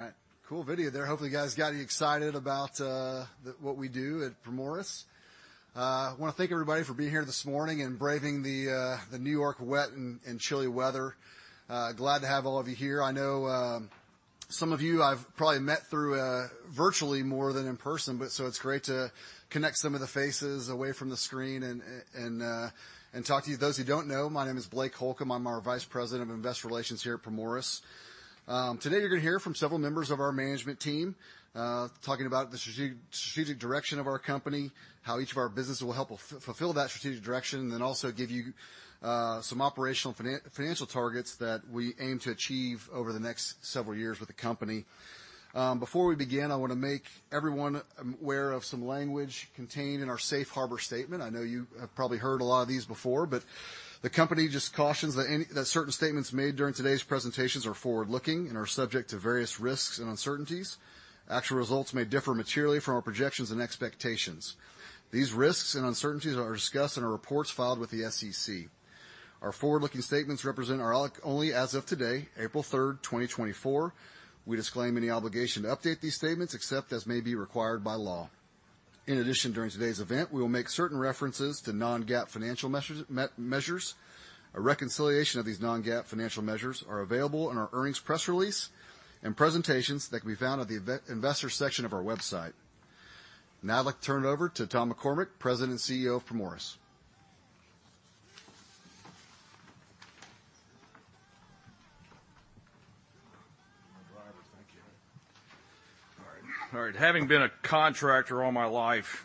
All right, cool video there. Hopefully you guys got excited about what we do at Primoris. I want to thank everybody for being here this morning and braving the New York wet and chilly weather. Glad to have all of you here. I know some of you I've probably met through virtually more than in person, but so it's great to connect some of the faces away from the screen and talk to you. Those who don't know, my name is Blake Holcomb. I'm our Vice President of Investor Relations here at Primoris. Today, you're going to hear from several members of our management team, talking about the strategic direction of our company, how each of our businesses will help fulfill that strategic direction, and then also give you some operational financial targets that we aim to achieve over the next several years with the company. Before we begin, I want to make everyone aware of some language contained in our Safe Harbor Statement. I know you have probably heard a lot of these before, but the company just cautions that certain statements made during today's presentations are forward-looking and are subject to various risks and uncertainties. Actual results may differ materially from our projections and expectations. These risks and uncertainties are discussed in our reports filed with the SEC. Our forward-looking statements represent our views only as of today, April 3rd, 2024. We disclaim any obligation to update these statements except as may be required by law. In addition, during today's event, we will make certain references to non-GAAP financial measures. A reconciliation of these non-GAAP financial measures is available in our earnings press release and presentations that can be found at the Investors section of our website. Now I'd like to turn it over to Tom McCormick, President and CEO of Primoris. My driver. Thank you. All right. All right. Having been a contractor all my life,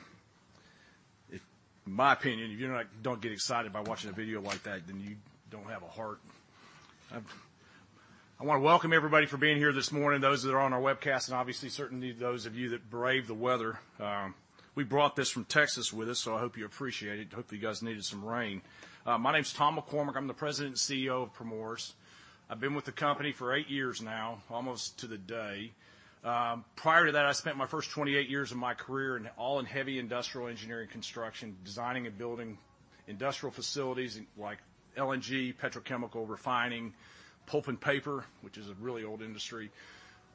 in my opinion, if you're not, don't get excited by watching a video like that, then you don't have a heart. I want to welcome everybody for being here this morning, those that are on our webcast, and obviously certainly those of you that brave the weather. We brought this from Texas with us, so I hope you appreciate it. Hopefully you guys needed some rain. My name's Tom McCormick. I'm the President and CEO of Primoris. I've been with the company for eight years now, almost to the day. Prior to that, I spent my first 28 years of my career all in heavy industrial engineering and construction, designing and building industrial facilities like LNG, petrochemical, refining, pulp and paper, which is a really old industry,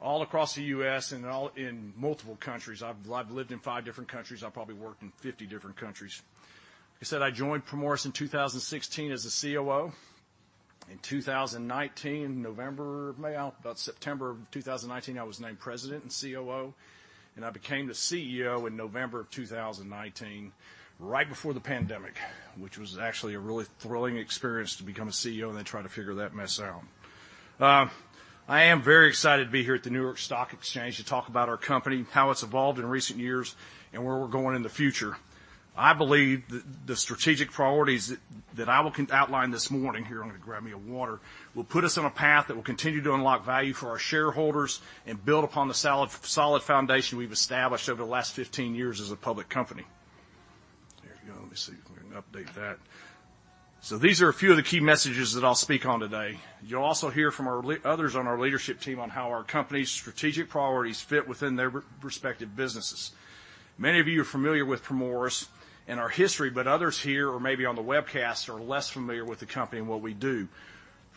all across the U.S. and all in multiple countries. I've lived in five different countries. I've probably worked in 50 different countries. Like I said, I joined Primoris in 2016 as a COO. In 2019, November, May, about September of 2019, I was named President and COO, and I became the CEO in November of 2019, right before the pandemic, which was actually a really thrilling experience to become a CEO and then try to figure that mess out. I am very excited to be here at the New York Stock Exchange to talk about our company, how it's evolved in recent years, and where we're going in the future. I believe that the strategic priorities that I will outline this morning, here I'm going to grab me a water, will put us on a path that will continue to unlock value for our shareholders and build upon the solid foundation we've established over the last 15 years as a public company. There you go. Let me see if I can update that. These are a few of the key messages that I'll speak on today. You'll also hear from others on our leadership team on how our company's strategic priorities fit within their respective businesses. Many of you are familiar with Primoris and our history, but others here or maybe on the webcast are less familiar with the company and what we do.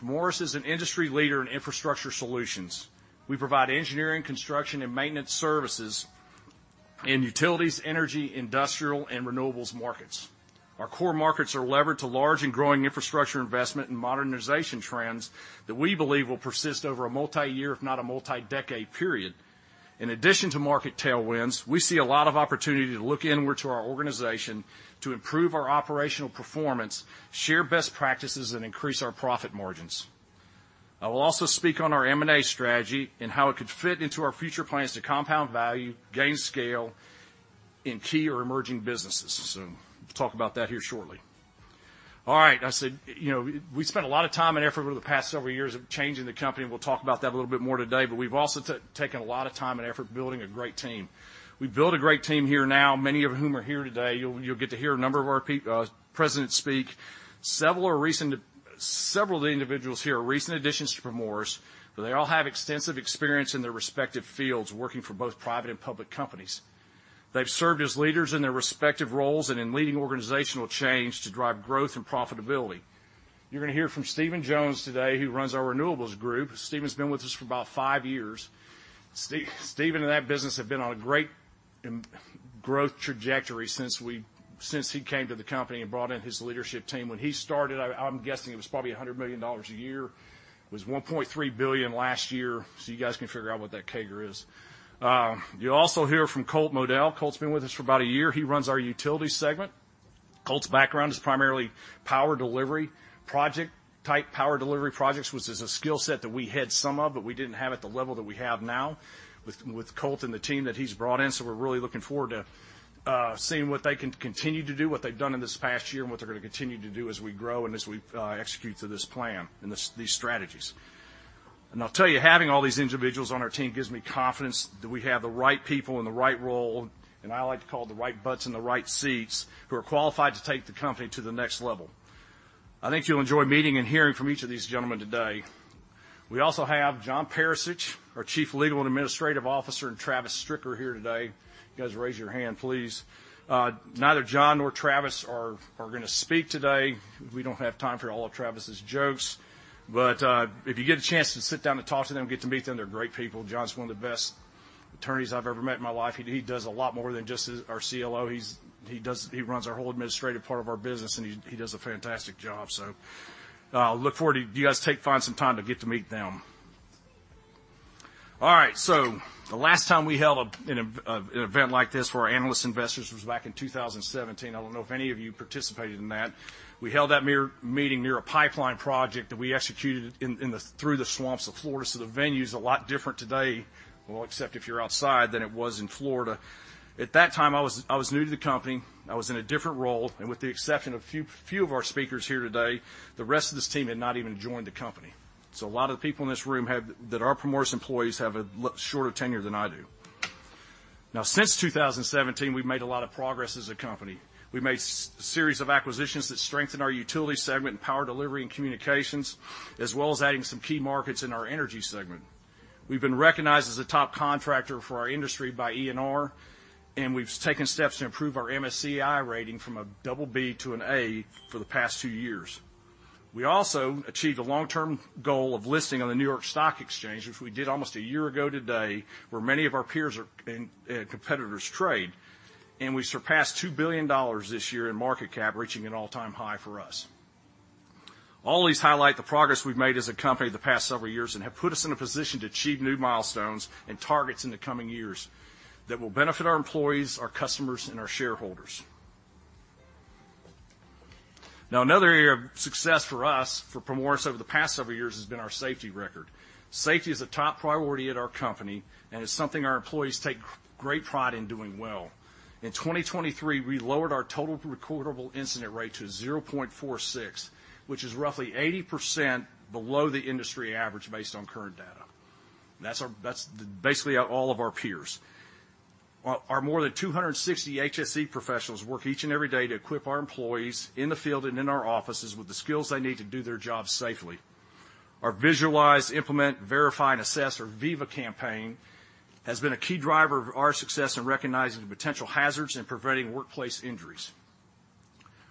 Primoris is an industry leader in infrastructure solutions. We provide engineering, construction, and maintenance services in utilities, energy, industrial, and renewables markets. Our core markets are levered to large and growing infrastructure investment and modernization trends that we believe will persist over a multi-year, if not a multi-decade period. In addition to market tailwinds, we see a lot of opportunity to look inward to our organization to improve our operational performance, share best practices, and increase our profit margins. I will also speak on our M&A strategy and how it could fit into our future plans to compound value, gain scale in key or emerging businesses. So we'll talk about that here shortly. All right. I said, you know, we spent a lot of time and effort over the past several years changing the company. We'll talk about that a little bit more today. But we've also taken a lot of time and effort building a great team. We've built a great team here now, many of whom are here today. You'll get to hear a number of our presidents speak. Several of the individuals here are recent additions to Primoris, but they all have extensive experience in their respective fields working for both private and public companies. They've served as leaders in their respective roles and in leading organizational change to drive growth and profitability. You're going to hear from Stephen Jones today, who runs our renewables group. Stephen's been with us for about five years. Stephen and that business have been on a great growth trajectory since he came to the company and brought in his leadership team. When he started, I'm guessing it was probably $100 million a year. It was $1.3 billion last year, so you guys can figure out what that CAGR is. You'll also hear from Colt Moedl. Colt's been with us for about a year. He runs our utilities segment. Colt's background is primarily power delivery project-type power delivery projects, which is a skill set that we had some of, but we didn't have at the level that we have now with Colt and the team that he's brought in. So we're really looking forward to seeing what they can continue to do, what they've done in this past year, and what they're going to continue to do as we grow and as we execute through this plan and these strategies. And I'll tell you, having all these individuals on our team gives me confidence that we have the right people in the right role, and I like to call it the right butts in the right seats, who are qualified to take the company to the next level. I think you'll enjoy meeting and hearing from each of these gentlemen today. We also have John Perisich, our Chief Legal and Administrative Officer, and Travis Stricker here today. You guys raise your hand, please. Neither John nor Travis are going to speak today. We don't have time for all of Travis's jokes. But if you get a chance to sit down and talk to them and get to meet them, they're great people. John's one of the best attorneys I've ever met in my life. He does a lot more than just our CLO. He runs our whole administrative part of our business, and he does a fantastic job. So I look forward to you guys find some time to get to meet them. All right. So the last time we held an event like this for our analyst investors was back in 2017. I don't know if any of you participated in that. We held that meeting near a pipeline project that we executed through the swamps of Florida. So the venue's a lot different today, well, except if you're outside, than it was in Florida. At that time, I was new to the company. I was in a different role. And with the exception of a few of our speakers here today, the rest of this team had not even joined the company. So a lot of the people in this room that are Primoris employees have a shorter tenure than I do. Now, since 2017, we've made a lot of progress as a company. We've made a series of acquisitions that strengthen our utilities segment and power delivery and communications, as well as adding some key markets in our energy segment. We've been recognized as a top contractor for our industry by ENR, and we've taken steps to improve our MSCI rating from BB to A for the past two years. We also achieved a long-term goal of listing on the New York Stock Exchange, which we did almost a year ago today, where many of our peers and competitors trade. We surpassed $2 billion this year in market cap, reaching an all-time high for us. All these highlight the progress we've made as a company the past several years and have put us in a position to achieve new milestones and targets in the coming years that will benefit our employees, our customers, and our shareholders. Now, another area of success for us, for Primoris, over the past several years has been our safety record. Safety is a top priority at our company and is something our employees take great pride in doing well. In 2023, we lowered our total recordable incident rate to 0.46, which is roughly 80% below the industry average based on current data. That's basically all of our peers. Our more than 260 HSE professionals work each and every day to equip our employees in the field and in our offices with the skills they need to do their job safely. Our visualize, implement, verify, and assess, or VIVA campaign has been a key driver of our success in recognizing the potential hazards and preventing workplace injuries.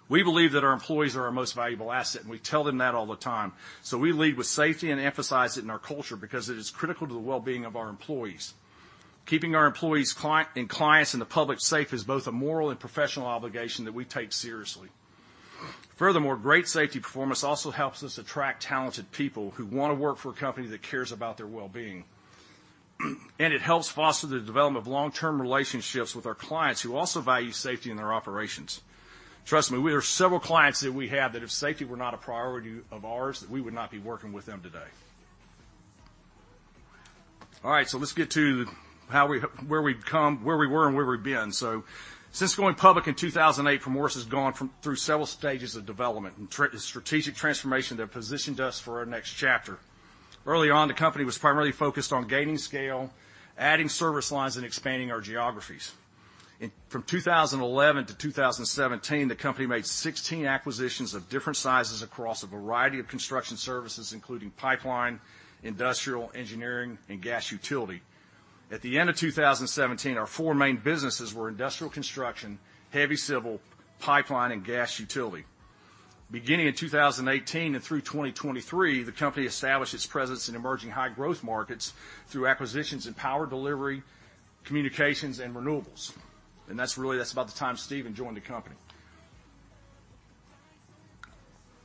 We believe that our employees are our most valuable asset, and we tell them that all the time. So we lead with safety and emphasize it in our culture because it is critical to the well-being of our employees. Keeping our employees, and clients, and the public safe is both a moral and professional obligation that we take seriously. Furthermore, great safety performance also helps us attract talented people who want to work for a company that cares about their well-being. And it helps foster the development of long-term relationships with our clients who also value safety in their operations. Trust me, there are several clients that we have that if safety were not a priority of ours, that we would not be working with them today. All right. So let's get to where we've come, where we were, and where we've been. So since going public in 2008, Primoris has gone through several stages of development and strategic transformation that positioned us for our next chapter. Early on, the company was primarily focused on gaining scale, adding service lines, and expanding our geographies. From 2011 to 2017, the company made 16 acquisitions of different sizes across a variety of construction services, including pipeline, industrial, engineering, and gas utility. At the end of 2017, our four main businesses were industrial construction, heavy civil, pipeline, and gas utility. Beginning in 2018 and through 2023, the company established its presence in emerging high-growth markets through acquisitions in power delivery, communications, and renewables. And that's really that's about the time Stephen joined the company.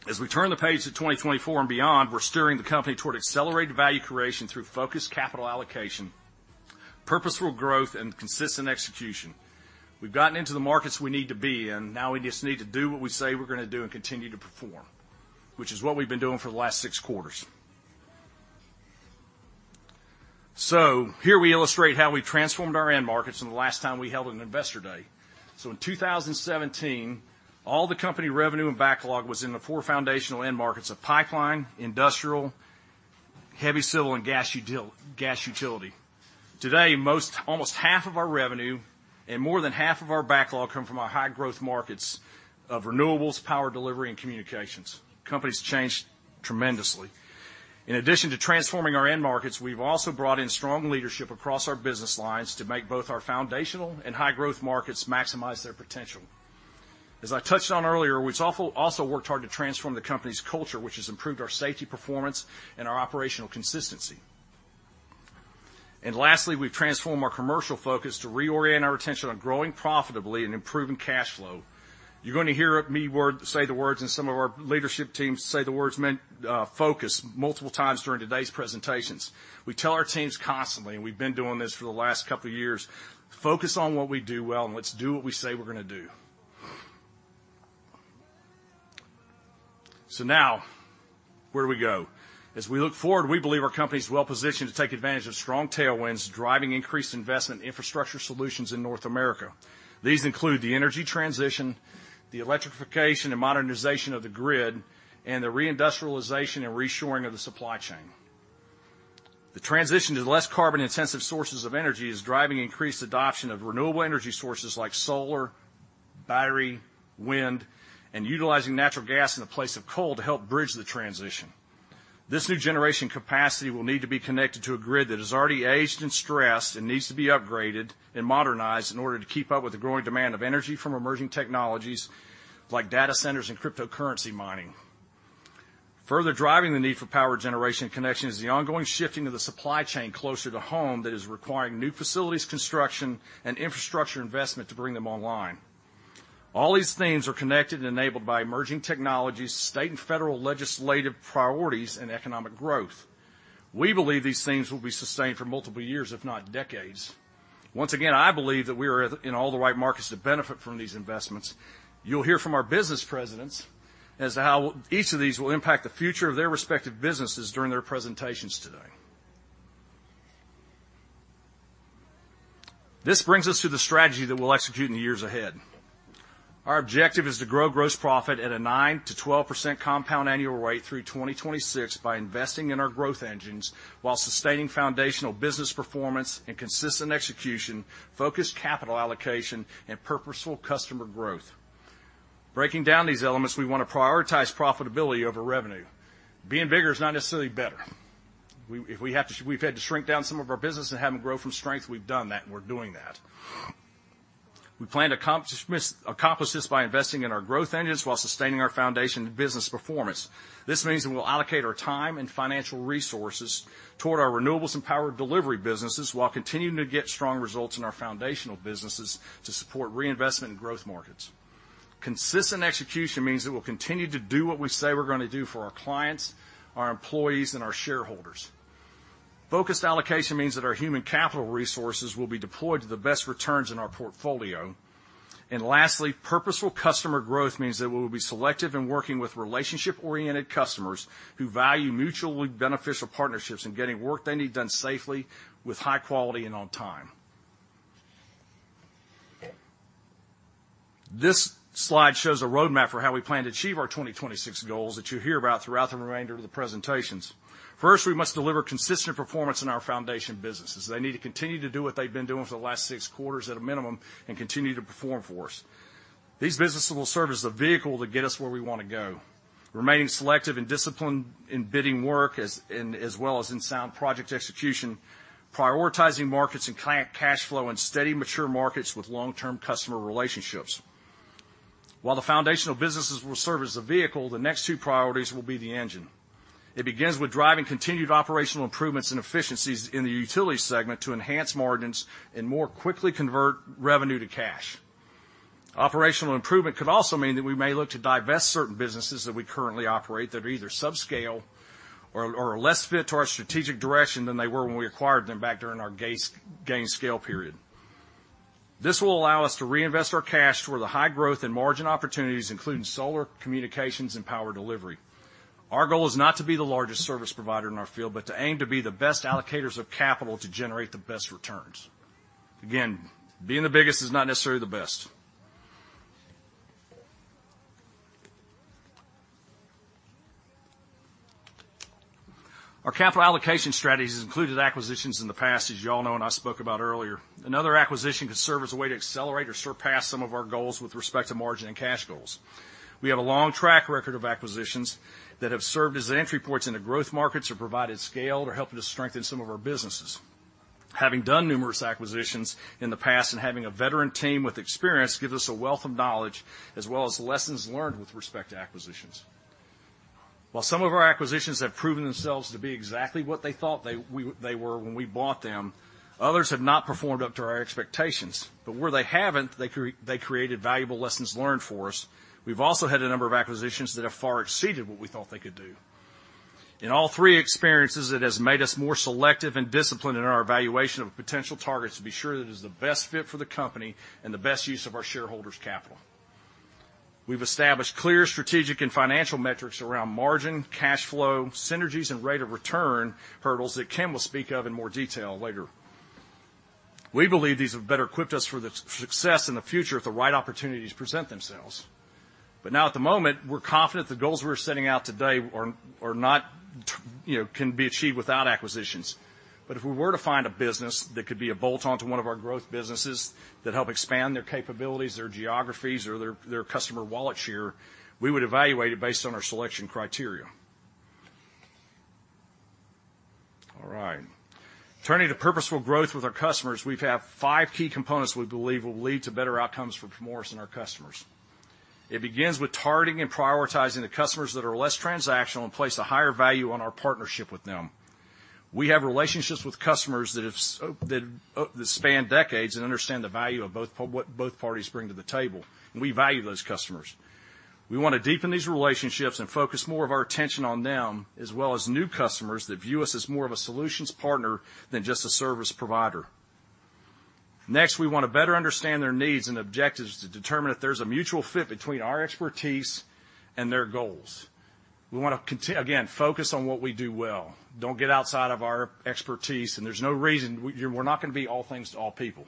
As we turn the page to 2024 and beyond, we're steering the company toward accelerated value creation through focused capital allocation, purposeful growth, and consistent execution. We've gotten into the markets we need to be in. Now we just need to do what we say we're going to do and continue to perform, which is what we've been doing for the last six quarters. Here we illustrate how we transformed our end markets in the last time we held an investor day. In 2017, all the company revenue and backlog was in the four foundational end markets of pipeline, industrial, heavy civil, and gas utility. Today, almost half of our revenue and more than half of our backlog come from our high-growth markets of renewables, power delivery, and communications. Companies changed tremendously. In addition to transforming our end markets, we've also brought in strong leadership across our business lines to make both our foundational and high-growth markets maximize their potential. As I touched on earlier, we've also worked hard to transform the company's culture, which has improved our safety performance and our operational consistency. Lastly, we've transformed our commercial focus to reorient our attention on growing profitably and improving cash flow. You're going to hear me say the words, and some of our leadership teams say the words focus multiple times during today's presentations. We tell our teams constantly, and we've been doing this for the last couple of years, "Focus on what we do well, and let's do what we say we're going to do." So now, where do we go? As we look forward, we believe our company's well-positioned to take advantage of strong tailwinds driving increased investment in infrastructure solutions in North America. These include the energy transition, the electrification and modernization of the grid, and the reindustrialization and reshoring of the supply chain. The transition to less carbon-intensive sources of energy is driving increased adoption of renewable energy sources like solar, battery, wind, and utilizing natural gas in the place of coal to help bridge the transition. This new generation capacity will need to be connected to a grid that has already aged and stressed and needs to be upgraded and modernized in order to keep up with the growing demand of energy from emerging technologies like data centers and cryptocurrency mining. Further driving the need for power generation connection is the ongoing shifting of the supply chain closer to home that is requiring new facilities construction and infrastructure investment to bring them online. All these themes are connected and enabled by emerging technologies, state and federal legislative priorities, and economic growth. We believe these themes will be sustained for multiple years, if not decades. Once again, I believe that we are in all the right markets to benefit from these investments. You'll hear from our business presidents as to how each of these will impact the future of their respective businesses during their presentations today. This brings us to the strategy that we'll execute in the years ahead. Our objective is to grow gross profit at a 9%-12% compound annual rate through 2026 by investing in our growth engines while sustaining foundational business performance and consistent execution, focused capital allocation, and purposeful customer growth. Breaking down these elements, we want to prioritize profitability over revenue. Being bigger is not necessarily better. If we've had to shrink down some of our business and have them grow from strength, we've done that, and we're doing that. We plan to accomplish this by investing in our growth engines while sustaining our foundation business performance. This means that we'll allocate our time and financial resources toward our renewables and power delivery businesses while continuing to get strong results in our foundational businesses to support reinvestment and growth markets. Consistent execution means that we'll continue to do what we say we're going to do for our clients, our employees, and our shareholders. Focused allocation means that our human capital resources will be deployed to the best returns in our portfolio. Lastly, purposeful customer growth means that we will be selective in working with relationship-oriented customers who value mutually beneficial partnerships and getting work they need done safely, with high quality, and on time. This slide shows a roadmap for how we plan to achieve our 2026 goals that you'll hear about throughout the remainder of the presentations. First, we must deliver consistent performance in our foundation businesses. They need to continue to do what they've been doing for the last six quarters, at a minimum, and continue to perform for us. These businesses will serve as the vehicle to get us where we want to go: remaining selective and disciplined in bidding work, as well as in sound project execution, prioritizing markets and cash flow, and steady, mature markets with long-term customer relationships. While the foundational businesses will serve as the vehicle, the next two priorities will be the engine. It begins with driving continued operational improvements and efficiencies in the utilities segment to enhance margins and more quickly convert revenue to cash. Operational improvement could also mean that we may look to divest certain businesses that we currently operate that are either subscale or less fit to our strategic direction than they were when we acquired them back during our gain scale period. This will allow us to reinvest our cash toward the high-growth and margin opportunities, including solar, communications, and power delivery. Our goal is not to be the largest service provider in our field, but to aim to be the best allocators of capital to generate the best returns. Again, being the biggest is not necessarily the best. Our capital allocation strategies included acquisitions in the past, as you all know, and I spoke about earlier. Another acquisition could serve as a way to accelerate or surpass some of our goals with respect to margin and cash goals. We have a long track record of acquisitions that have served as entry points into growth markets or provided scale or helped us strengthen some of our businesses. Having done numerous acquisitions in the past and having a veteran team with experience gives us a wealth of knowledge, as well as lessons learned with respect to acquisitions. While some of our acquisitions have proven themselves to be exactly what they thought they were when we bought them, others have not performed up to our expectations. But where they haven't, they created valuable lessons learned for us. We've also had a number of acquisitions that have far exceeded what we thought they could do. In all three experiences, it has made us more selective and disciplined in our evaluation of potential targets to be sure that it is the best fit for the company and the best use of our shareholders' capital. We've established clear strategic and financial metrics around margin, cash flow, synergies, and rate of return hurdles that Ken will speak of in more detail later. We believe these have better equipped us for success in the future if the right opportunities present themselves. Now, at the moment, we're confident the goals we're setting out today can be achieved without acquisitions. But if we were to find a business that could be a bolt onto one of our growth businesses that helped expand their capabilities, their geographies, or their customer wallet share, we would evaluate it based on our selection criteria. All right. Turning to purposeful growth with our customers, we have five key components we believe will lead to better outcomes for Primoris and our customers. It begins with targeting and prioritizing the customers that are less transactional and place a higher value on our partnership with them. We have relationships with customers that span decades and understand the value of what both parties bring to the table, and we value those customers. We want to deepen these relationships and focus more of our attention on them, as well as new customers that view us as more of a solutions partner than just a service provider. Next, we want to better understand their needs and objectives to determine if there's a mutual fit between our expertise and their goals. We want to, again, focus on what we do well. Don't get outside of our expertise, and there's no reason we're not going to be all things to all people.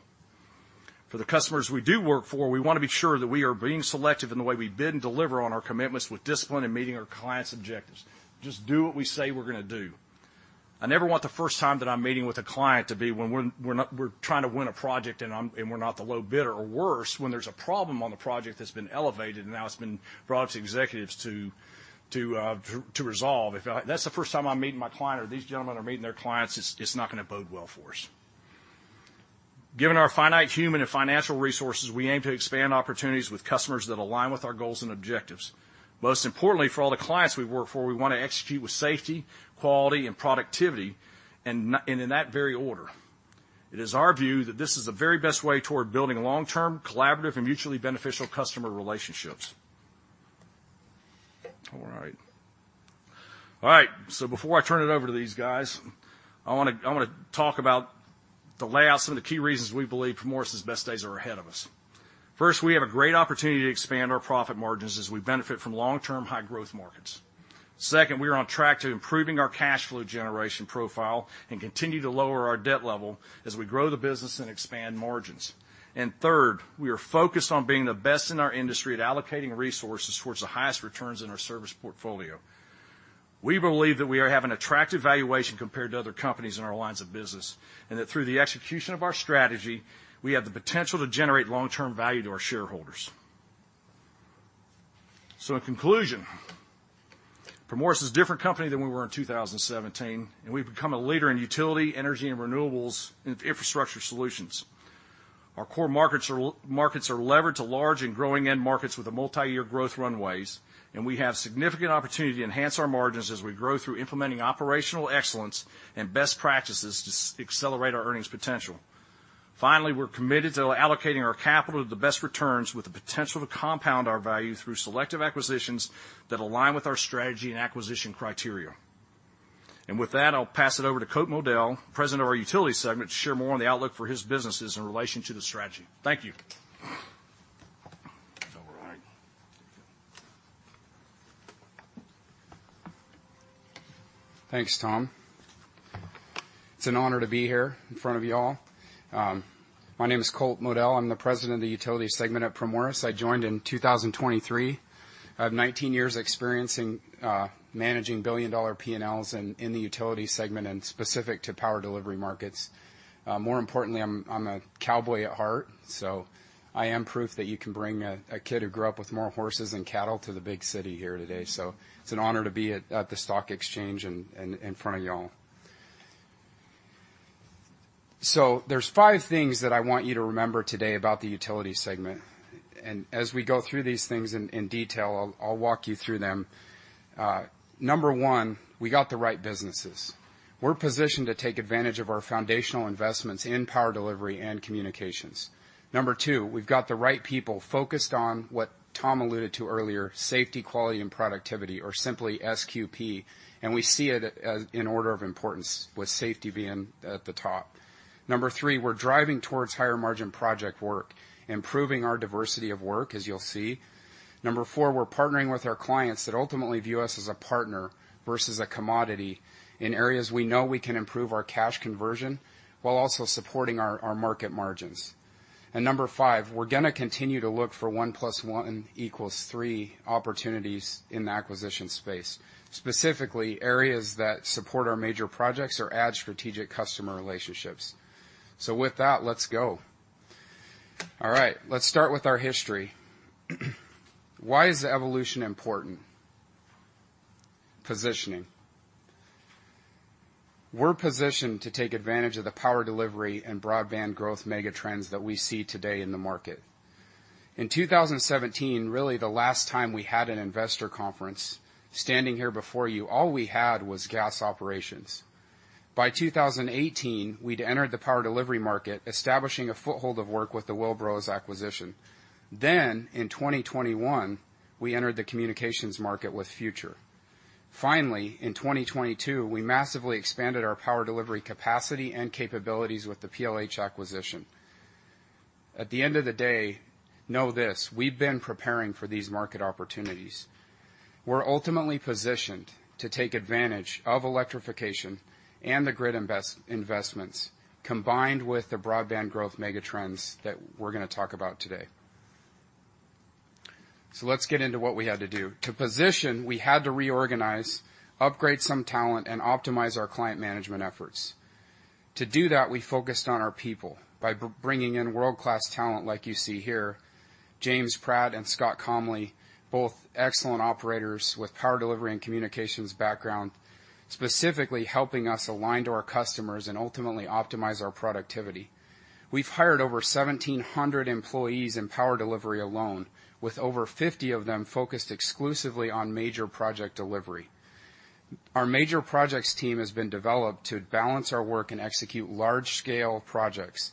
For the customers we do work for, we want to be sure that we are being selective in the way we bid and deliver on our commitments with discipline and meeting our clients' objectives. Just do what we say we're going to do. I never want the first time that I'm meeting with a client to be when we're trying to win a project and we're not the low bidder, or worse, when there's a problem on the project that's been elevated and now it's been brought up to executives to resolve. If that's the first time I'm meeting my client or these gentlemen are meeting their clients, it's not going to bode well for us. Given our finite human and financial resources, we aim to expand opportunities with customers that align with our goals and objectives. Most importantly, for all the clients we work for, we want to execute with safety, quality, and productivity, and in that very order. It is our view that this is the very best way toward building long-term, collaborative, and mutually beneficial customer relationships. All right. All right. So before I turn it over to these guys, I want to talk about the layout, some of the key reasons we believe Primoris's best days are ahead of us. First, we have a great opportunity to expand our profit margins as we benefit from long-term, high-growth markets. Second, we are on track to improving our cash flow generation profile and continue to lower our debt level as we grow the business and expand margins. And third, we are focused on being the best in our industry at allocating resources towards the highest returns in our service portfolio. We believe that we have an attractive valuation compared to other companies in our lines of business and that through the execution of our strategy, we have the potential to generate long-term value to our shareholders. So in conclusion, Primoris is a different company than we were in 2017, and we've become a leader in utility, energy, and renewables infrastructure solutions. Our core markets are leveraged to large and growing end markets with multi-year growth runways, and we have significant opportunity to enhance our margins as we grow through implementing operational excellence and best practices to accelerate our earnings potential. Finally, we're committed to allocating our capital to the best returns with the potential to compound our value through selective acquisitions that align with our strategy and acquisition criteria. And with that, I'll pass it over to Colt Moedl, President of our Utilities segment, to share more on the outlook for his businesses in relation to the strategy. Thank you. All right. Thanks, Tom. It's an honor to be here in front of you all. My name is Colt Moedl. I'm the President of the Utilities segment at Primoris. I joined in 2023. I have 19 years experiencing managing billion-dollar P&Ls in the utilities segment and specific to power delivery markets. More importantly, I'm a cowboy at heart, so I am proof that you can bring a kid who grew up with more horses and cattle to the big city here today. So it's an honor to be at the stock exchange in front of you all. So there's 5 things that I want you to remember today about the utilities segment. And as we go through these things in detail, I'll walk you through them. Number 1, we got the right businesses. We're positioned to take advantage of our foundational investments in power delivery and communications. Number 2, we've got the right people focused on what Tom alluded to earlier, safety, quality, and productivity, or simply SQP, and we see it in order of importance, with safety being at the top. Number 3, we're driving towards higher-margin project work, improving our diversity of work, as you'll see. Number 4, we're partnering with our clients that ultimately view us as a partner versus a commodity in areas we know we can improve our cash conversion while also supporting our market margins. And number 5, we're going to continue to look for 1 + 1 = 3 opportunities in the acquisition space, specifically areas that support our major projects or add strategic customer relationships. So with that, let's go. All right. Let's start with our history. Why is the evolution important? Positioning. We're positioned to take advantage of the power delivery and broadband growth mega trends that we see today in the market. In 2017, really the last time we had an investor conference, standing here before you, all we had was gas operations. By 2018, we'd entered the power delivery market, establishing a foothold of work with the Willbros acquisition. Then, in 2021, we entered the communications market with Future. Finally, in 2022, we massively expanded our power delivery capacity and capabilities with the PLH acquisition. At the end of the day, know this: we've been preparing for these market opportunities. We're ultimately positioned to take advantage of electrification and the grid investments, combined with the broadband growth mega trends that we're going to talk about today. So let's get into what we had to do. To position, we had to reorganize, upgrade some talent, and optimize our client management efforts. To do that, we focused on our people by bringing in world-class talent like you see here: James Pratt and Scott Comley, both excellent operators with power delivery and communications background, specifically helping us align to our customers and ultimately optimize our productivity. We've hired over 1,700 employees in power delivery alone, with over 50 of them focused exclusively on major project delivery. Our major projects team has been developed to balance our work and execute large-scale projects.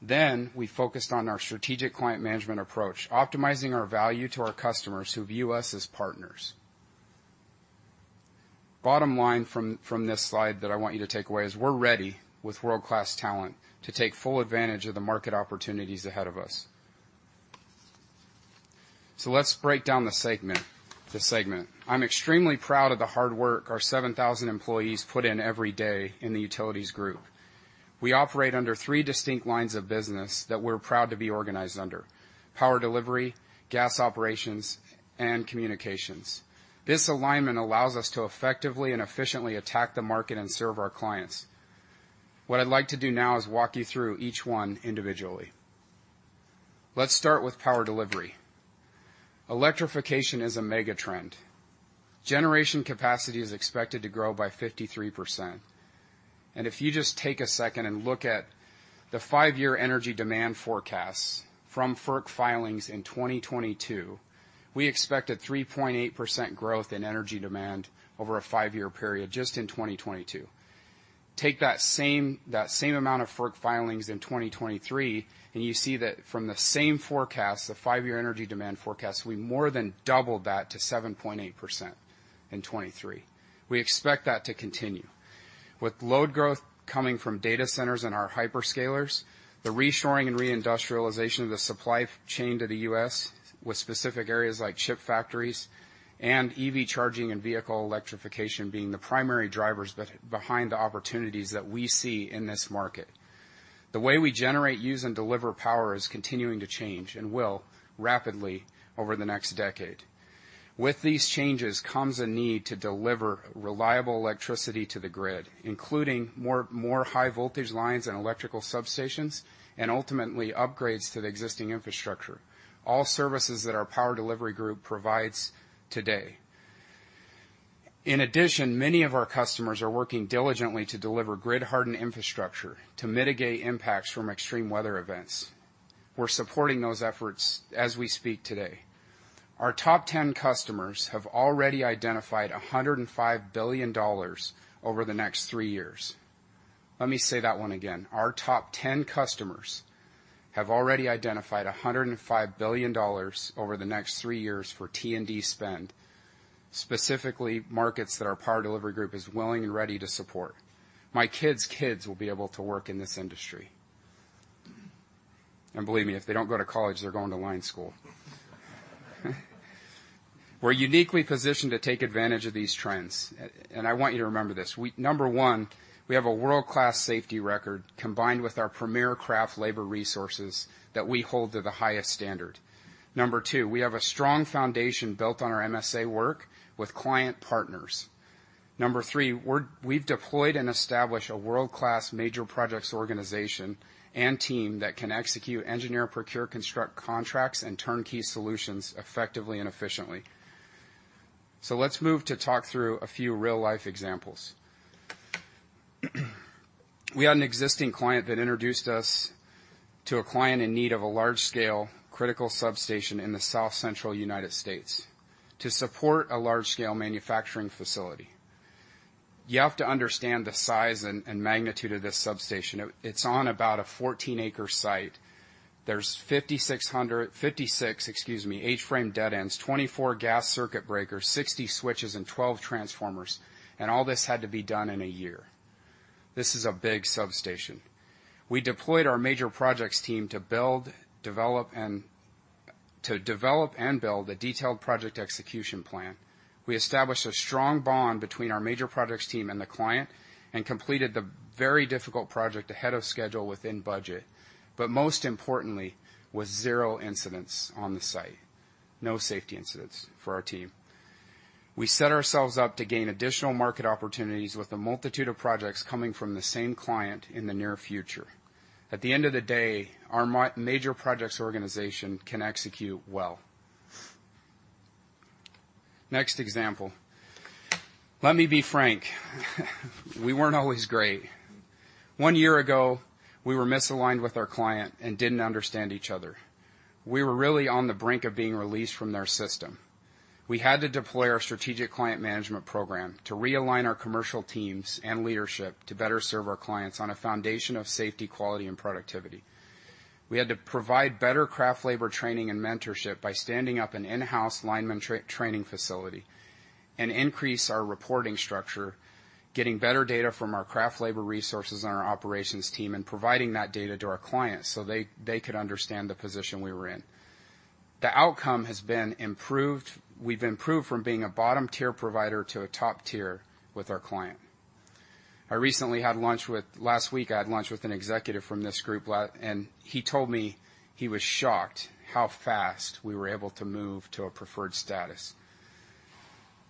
Then, we focused on our strategic client management approach, optimizing our value to our customers who view us as partners. Bottom line from this slide that I want you to take away is we're ready, with world-class talent, to take full advantage of the market opportunities ahead of us. So let's break down the segment. I'm extremely proud of the hard work our 7,000 employees put in every day in the Utilities group. We operate under three distinct lines of business that we're proud to be organized under: power delivery, gas operations, and communications. This alignment allows us to effectively and efficiently attack the market and serve our clients. What I'd like to do now is walk you through each one individually. Let's start with power delivery. Electrification is a mega trend. Generation capacity is expected to grow by 53%. And if you just take a second and look at the five-year energy demand forecasts from FERC filings in 2022, we expect a 3.8% growth in energy demand over a five-year period, just in 2022. Take that same amount of FERC filings in 2023, and you see that from the same forecasts, the five-year energy demand forecasts, we more than doubled that to 7.8% in 2023. We expect that to continue. With load growth coming from data centers and our hyperscalers, the reshoring and reindustrialization of the supply chain to the U.S., with specific areas like chip factories and EV charging and vehicle electrification being the primary drivers behind the opportunities that we see in this market, the way we generate, use, and deliver power is continuing to change and will rapidly over the next decade. With these changes comes a need to deliver reliable electricity to the grid, including more high-voltage lines and electrical substations, and ultimately upgrades to the existing infrastructure, all services that our power delivery group provides today. In addition, many of our customers are working diligently to deliver grid-hardened infrastructure to mitigate impacts from extreme weather events. We're supporting those efforts as we speak today. Our top 10 customers have already identified $105 billion over the next three years. Let me say that one again. Our top 10 customers have already identified $105 billion over the next three years for T&D spend, specifically markets that our power delivery group is willing and ready to support. My kids' kids will be able to work in this industry. And believe me, if they don't go to college, they're going to line school. We're uniquely positioned to take advantage of these trends. And I want you to remember this. Number one, we have a world-class safety record combined with our premier craft labor resources that we hold to the highest standard. 2, we have a strong foundation built on our MSA work with client partners. 3, we've deployed and established a world-class major projects organization and team that can execute engineer, procure, construct contracts, and turnkey solutions effectively and efficiently. So let's move to talk through a few real-life examples. We had an existing client that introduced us to a client in need of a large-scale, critical substation in the south-central United States to support a large-scale manufacturing facility. You have to understand the size and magnitude of this substation. It's on about a 14-acre site. There's 56 H-frame dead ends, 24 gas circuit breakers, 60 switches, and 12 transformers, and all this had to be done in a year. This is a big substation. We deployed our major projects team to develop and build a detailed project execution plan. We established a strong bond between our major projects team and the client and completed the very difficult project ahead of schedule within budget. But most importantly, with 0 incidents on the site, no safety incidents for our team. We set ourselves up to gain additional market opportunities with a multitude of projects coming from the same client in the near future. At the end of the day, our major projects organization can execute well. Next example. Let me be frank. We weren't always great. 1 year ago, we were misaligned with our client and didn't understand each other. We were really on the brink of being released from their system. We had to deploy our strategic client management program to realign our commercial teams and leadership to better serve our clients on a foundation of safety, quality, and productivity. We had to provide better craft labor training and mentorship by standing up an in-house lineman training facility and increase our reporting structure, getting better data from our craft labor resources and our operations team, and providing that data to our clients so they could understand the position we were in. The outcome has been improved. We've improved from being a bottom-tier provider to a top-tier with our client. Last week, I had lunch with an executive from this group, and he told me he was shocked how fast we were able to move to a preferred status.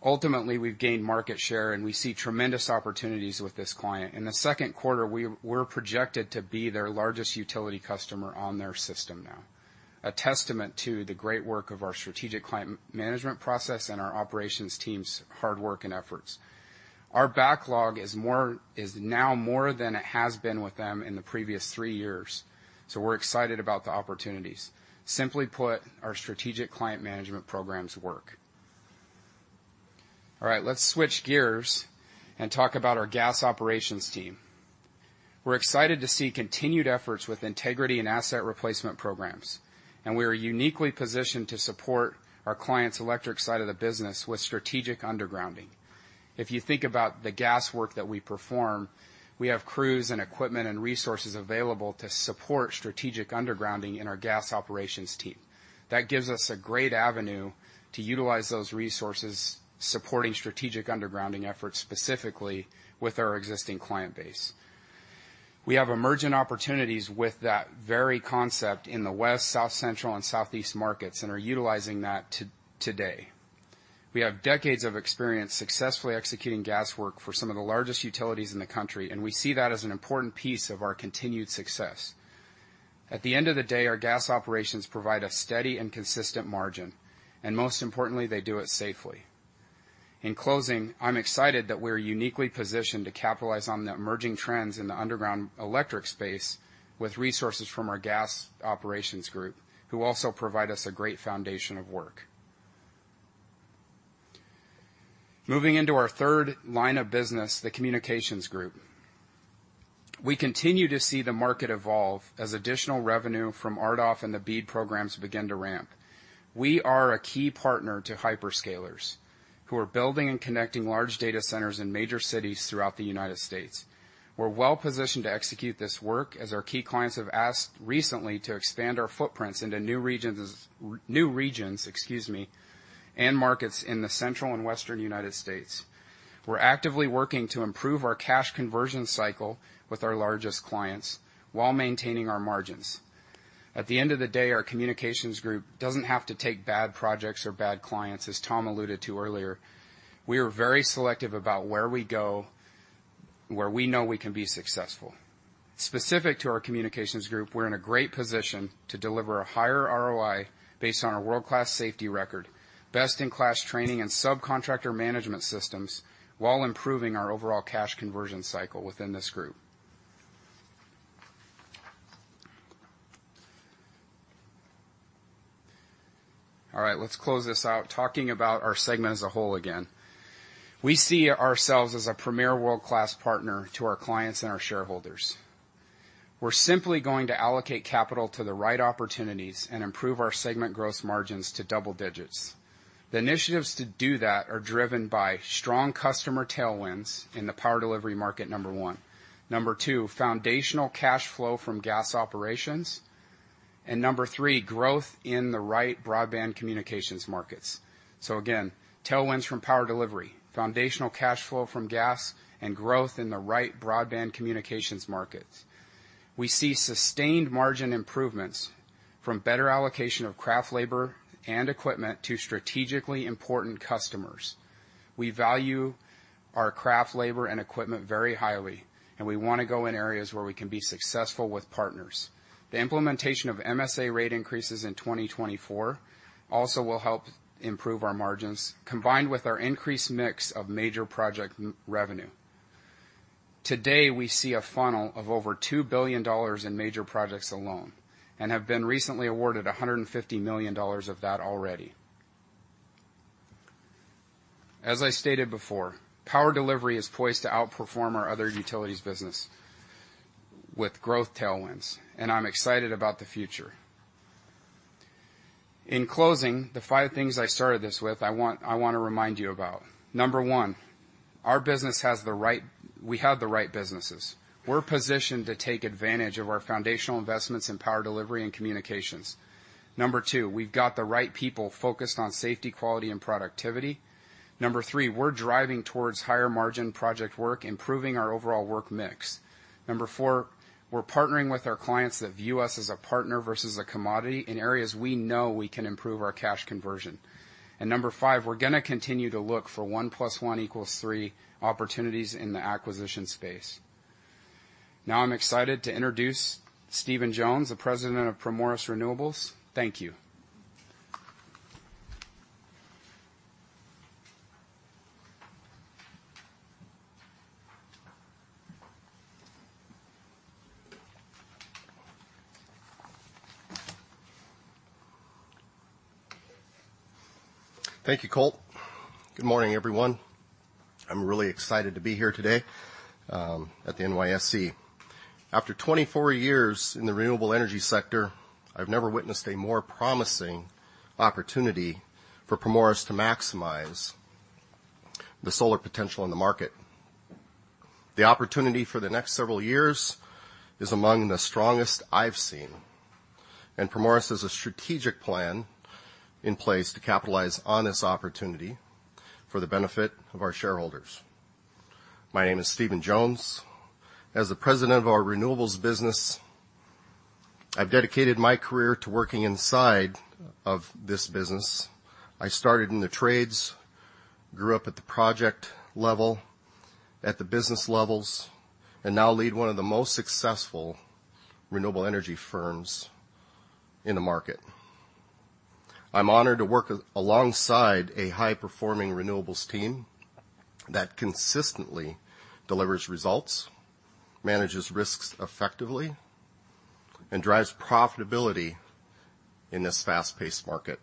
Ultimately, we've gained market share, and we see tremendous opportunities with this client. In the second quarter, we're projected to be their largest utility customer on their system now, a testament to the great work of our strategic client management process and our operations team's hard work and efforts. Our backlog is now more than it has been with them in the previous three years, so we're excited about the opportunities. Simply put, our strategic client management program's work. All right. Let's switch gears and talk about our gas operations team. We're excited to see continued efforts with integrity and asset replacement programs, and we are uniquely positioned to support our clients' electric side of the business with strategic undergrounding. If you think about the gas work that we perform, we have crews and equipment and resources available to support strategic undergrounding in our gas operations team. That gives us a great avenue to utilize those resources supporting strategic undergrounding efforts, specifically with our existing client base. We have emergent opportunities with that very concept in the west, south-central, and southeast markets and are utilizing that today. We have decades of experience successfully executing gas work for some of the largest utilities in the country, and we see that as an important piece of our continued success. At the end of the day, our gas operations provide a steady and consistent margin, and most importantly, they do it safely. In closing, I'm excited that we're uniquely positioned to capitalize on the emerging trends in the underground electric space with resources from our gas operations group, who also provide us a great foundation of work. Moving into our third line of business, the Communications group. We continue to see the market evolve as additional revenue from RDOF and the BEAD programs begin to ramp. We are a key partner to hyperscalers, who are building and connecting large data centers in major cities throughout the United States. We're well positioned to execute this work as our key clients have asked recently to expand our footprints into new regions and markets in the central and western United States. We're actively working to improve our cash conversion cycle with our largest clients while maintaining our margins. At the end of the day, our Communications group doesn't have to take bad projects or bad clients, as Tom alluded to earlier. We are very selective about where we go, where we know we can be successful. Specific to our Communications group, we're in a great position to deliver a higher ROI based on our world-class safety record, best-in-class training, and subcontractor management systems while improving our overall cash conversion cycle within this group. All right. Let's close this out talking about our segment as a whole again. We see ourselves as a premier world-class partner to our clients and our shareholders. We're simply going to allocate capital to the right opportunities and improve our segment growth margins to double digits. The initiatives to do that are driven by strong customer tailwinds in the power delivery market, number one. Number two, foundational cash flow from gas operations. And number three, growth in the right broadband communications markets. So again, tailwinds from power delivery, foundational cash flow from gas, and growth in the right broadband communications markets. We see sustained margin improvements from better allocation of craft labor and equipment to strategically important customers. We value our craft labor and equipment very highly, and we want to go in areas where we can be successful with partners. The implementation of MSA rate increases in 2024 also will help improve our margins combined with our increased mix of major project revenue. Today, we see a funnel of over $2 billion in major projects alone and have been recently awarded $150 million of that already. As I stated before, power delivery is poised to outperform our other utilities business with growth tailwinds, and I'm excited about the future. In closing, the five things I started this with, I want to remind you about. Number one, our business has the right we have the right businesses. We're positioned to take advantage of our foundational investments in power delivery and communications. Number 2, we've got the right people focused on safety, quality, and productivity. Number 3, we're driving towards higher-margin project work, improving our overall work mix. Number 4, we're partnering with our clients that view us as a partner versus a commodity in areas we know we can improve our cash conversion. And number 5, we're going to continue to look for one plus one equals three opportunities in the acquisition space. Now, I'm excited to introduce Stephen Jones, the President of Primoris Renewables. Thank you. Thank you, Colt. Good morning, everyone. I'm really excited to be here today at the NYSE. After 24 years in the renewable energy sector, I've never witnessed a more promising opportunity for Primoris to maximize the solar potential in the market. The opportunity for the next several years is among the strongest I've seen, and Primoris has a strategic plan in place to capitalize on this opportunity for the benefit of our shareholders. My name is Stephen Jones. As the president of our renewables business, I've dedicated my career to working inside of this business. I started in the trades, grew up at the project level, at the business levels, and now lead one of the most successful renewable energy firms in the market. I'm honored to work alongside a high-performing renewables team that consistently delivers results, manages risks effectively, and drives profitability in this fast-paced market.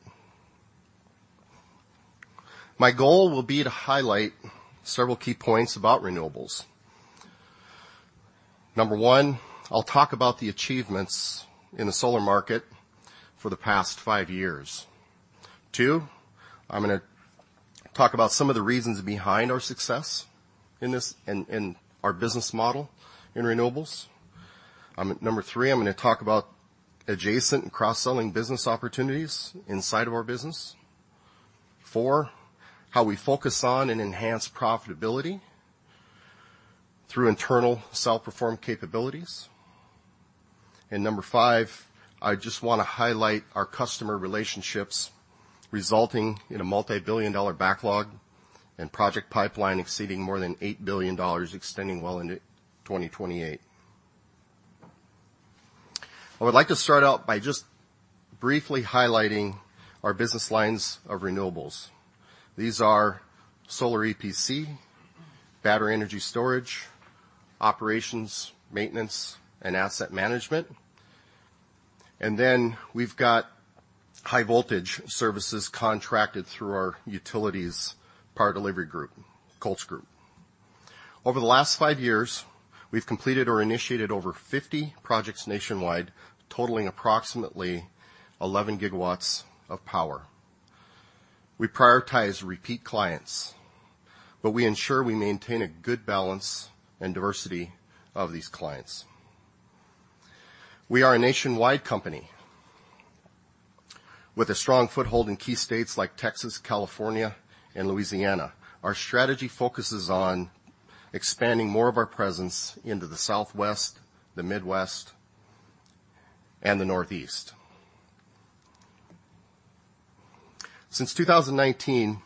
My goal will be to highlight several key points about renewables. Number 1, I'll talk about the achievements in the solar market for the past 5 years. 2, I'm going to talk about some of the reasons behind our success in our business model in renewables. Number 3, I'm going to talk about adjacent and cross-selling business opportunities inside of our business. 4, how we focus on and enhance profitability through internal self-perform capabilities. And number 5, I just want to highlight our customer relationships resulting in a multibillion-dollar backlog and project pipeline exceeding more than $8 billion, extending well into 2028. I would like to start out by just briefly highlighting our business lines of renewables. These are solar EPC, battery energy storage, operations, maintenance, and asset management. And then we've got high-voltage services contracted through our utilities power delivery group, Colt's group. Over the last five years, we've completed or initiated over 50 projects nationwide, totaling approximately 11 GW of power. We prioritize repeat clients, but we ensure we maintain a good balance and diversity of these clients. We are a nationwide company with a strong foothold in key states like Texas, California, and Louisiana. Our strategy focuses on expanding more of our presence into the southwest, the midwest, and the northeast. Since 2019,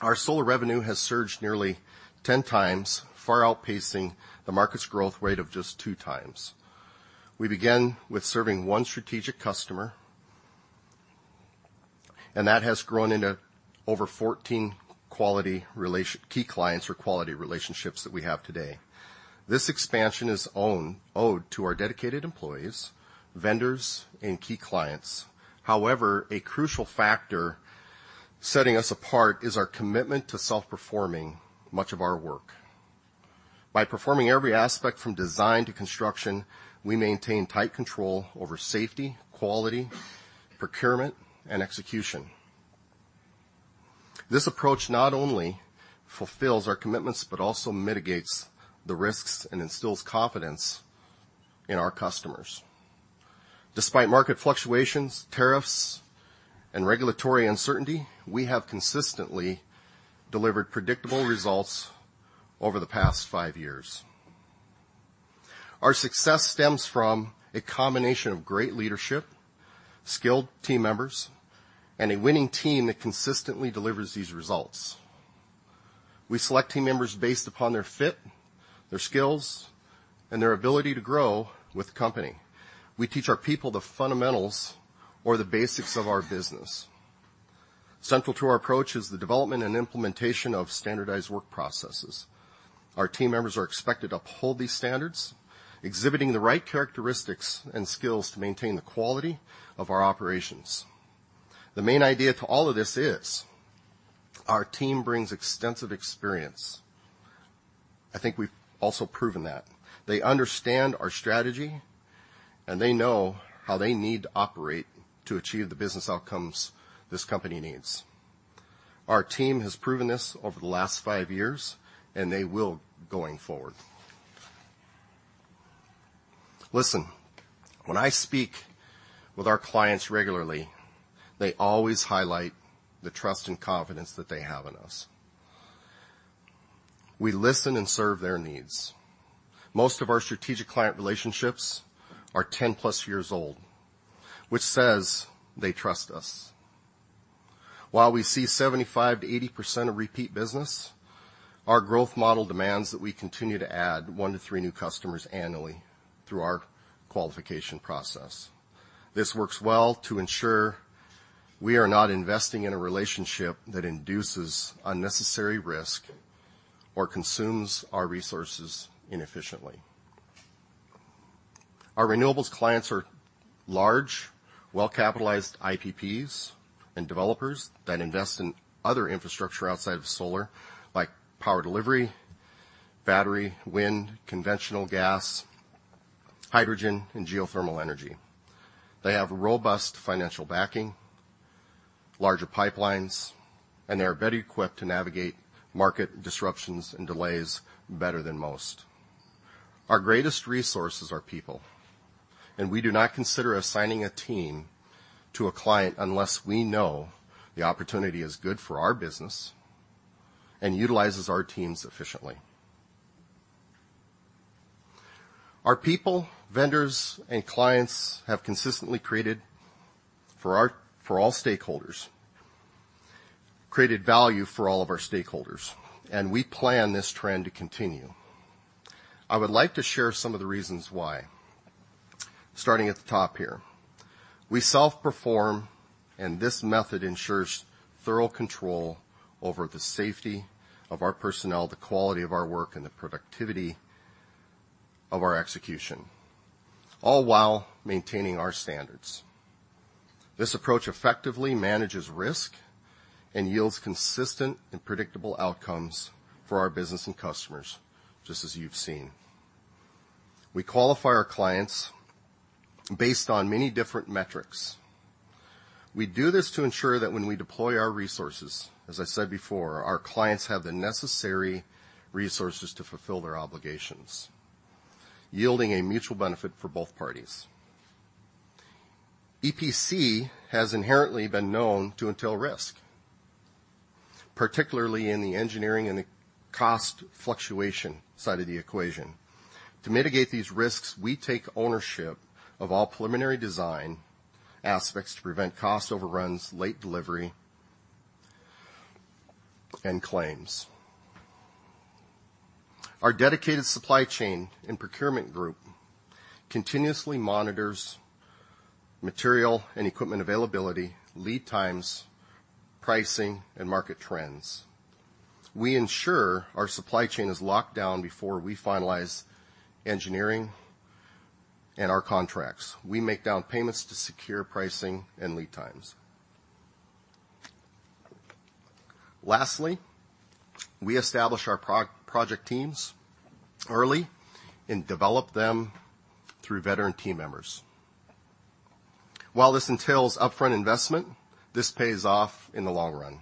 our solar revenue has surged nearly 10 times, far outpacing the market's growth rate of just two times. We began with serving one strategic customer, and that has grown into over 14 key clients or quality relationships that we have today. This expansion is owed to our dedicated employees, vendors, and key clients. However, a crucial factor setting us apart is our commitment to self-performing much of our work. By performing every aspect from design to construction, we maintain tight control over safety, quality, procurement, and execution. This approach not only fulfills our commitments but also mitigates the risks and instills confidence in our customers. Despite market fluctuations, tariffs, and regulatory uncertainty, we have consistently delivered predictable results over the past five years. Our success stems from a combination of great leadership, skilled team members, and a winning team that consistently delivers these results. We select team members based upon their fit, their skills, and their ability to grow with the company. We teach our people the fundamentals or the basics of our business. Central to our approach is the development and implementation of standardized work processes. Our team members are expected to uphold these standards, exhibiting the right characteristics and skills to maintain the quality of our operations. The main idea to all of this is our team brings extensive experience. I think we've also proven that. They understand our strategy, and they know how they need to operate to achieve the business outcomes this company needs. Our team has proven this over the last 5 years, and they will going forward. Listen, when I speak with our clients regularly, they always highlight the trust and confidence that they have in us. We listen and serve their needs. Most of our strategic client relationships are 10+ years old, which says they trust us. While we see 75%-80% of repeat business, our growth model demands that we continue to add 1-3 new customers annually through our qualification process. This works well to ensure we are not investing in a relationship that induces unnecessary risk or consumes our resources inefficiently. Our renewables clients are large, well-capitalized IPPs and developers that invest in other infrastructure outside of solar like power delivery, battery, wind, conventional gas, hydrogen, and geothermal energy. They have robust financial backing, larger pipelines, and they are better equipped to navigate market disruptions and delays better than most. Our greatest resources are people, and we do not consider assigning a team to a client unless we know the opportunity is good for our business and utilizes our teams efficiently. Our people, vendors, and clients have consistently created value for all of our stakeholders, and we plan this trend to continue. I would like to share some of the reasons why, starting at the top here. We self-perform, and this method ensures thorough control over the safety of our personnel, the quality of our work, and the productivity of our execution, all while maintaining our standards. This approach effectively manages risk and yields consistent and predictable outcomes for our business and customers, just as you've seen. We qualify our clients based on many different metrics. We do this to ensure that when we deploy our resources, as I said before, our clients have the necessary resources to fulfill their obligations, yielding a mutual benefit for both parties. EPC has inherently been known to entail risk, particularly in the engineering and the cost fluctuation side of the equation. To mitigate these risks, we take ownership of all preliminary design aspects to prevent cost overruns, late delivery, and claims. Our dedicated supply chain and procurement group continuously monitors material and equipment availability, lead times, pricing, and market trends. We ensure our supply chain is locked down before we finalize engineering and our contracts. We make down payments to secure pricing and lead times. Lastly, we establish our project teams early and develop them through veteran team members. While this entails upfront investment, this pays off in the long run.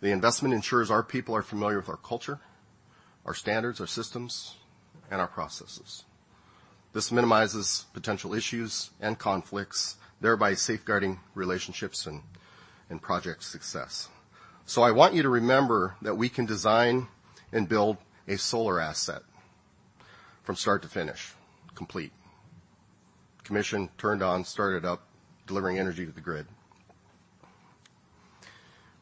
The investment ensures our people are familiar with our culture, our standards, our systems, and our processes. This minimizes potential issues and conflicts, thereby safeguarding relationships and project success. So I want you to remember that we can design and build a solar asset from start to finish, complete, commissioned, turned on, started up, delivering energy to the grid.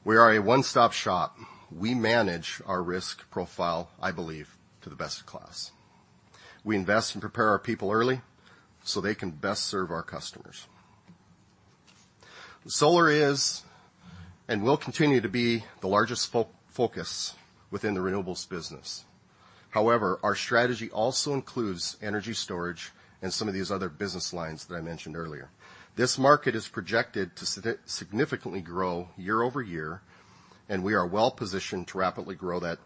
We are a one-stop shop. We manage our risk profile, I believe, to the best of class. We invest and prepare our people early so they can best serve our customers. Solar is and will continue to be the largest focus within the renewables business. However, our strategy also includes energy storage and some of these other business lines that I mentioned earlier. This market is projected to significantly grow year-over-year, and we are well-positioned to rapidly grow that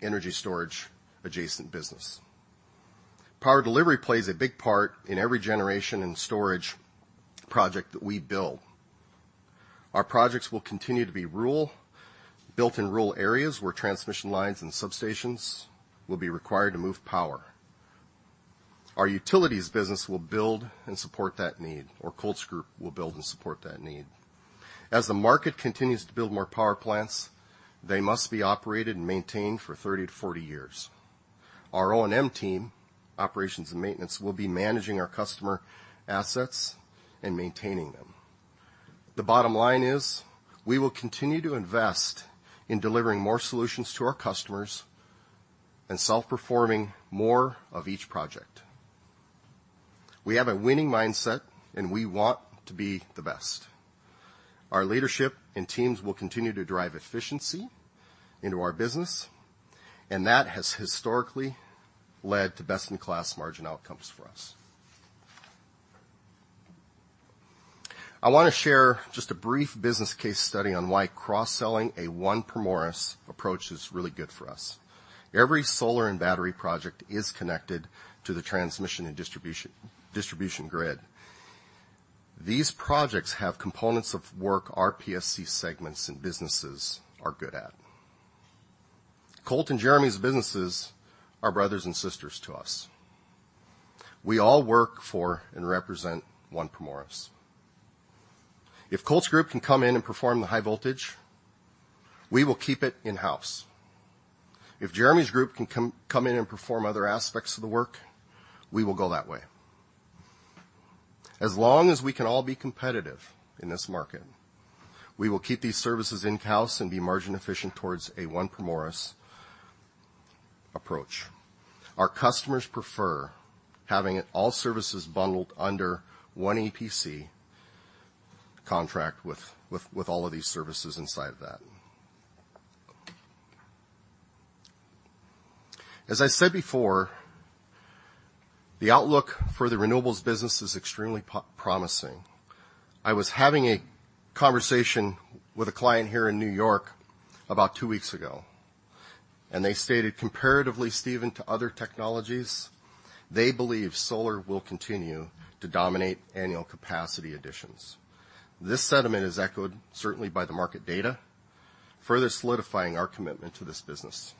energy storage-adjacent business. Power delivery plays a big part in every generation and storage project that we build. Our projects will continue to be built in rural areas where transmission lines and substations will be required to move power. Our utilities business will build and support that need, or Colt's group will build and support that need. As the market continues to build more power plants, they must be operated and maintained for 30-40 years. Our O&M team, operations and maintenance, will be managing our customer assets and maintaining them. The bottom line is we will continue to invest in delivering more solutions to our customers and self-performing more of each project. We have a winning mindset, and we want to be the best. Our leadership and teams will continue to drive efficiency into our business, and that has historically led to best-in-class margin outcomes for us. I want to share just a brief business case study on why cross-selling a One Primoris approach is really good for us. Every solar and battery project is connected to the transmission and distribution grid. These projects have components of work our PSC segments and businesses are good at. Colt and Jeremy's businesses are brothers and sisters to us. We all work for and represent One Primoris. If Colt's group can come in and perform the high voltage, we will keep it in-house. If Jeremy's group can come in and perform other aspects of the work, we will go that way. As long as we can all be competitive in this market, we will keep these services in-house and be margin-efficient towards a One Primoris approach. Our customers prefer having all services bundled under one EPC contract with all of these services inside of that. As I said before, the outlook for the renewables business is extremely promising. I was having a conversation with a client here in New York about two weeks ago, and they stated, "Comparatively, Stephen, to other technologies, they believe solar will continue to dominate annual capacity additions." This sentiment is echoed, certainly, by the market data, further solidifying our commitment to this business.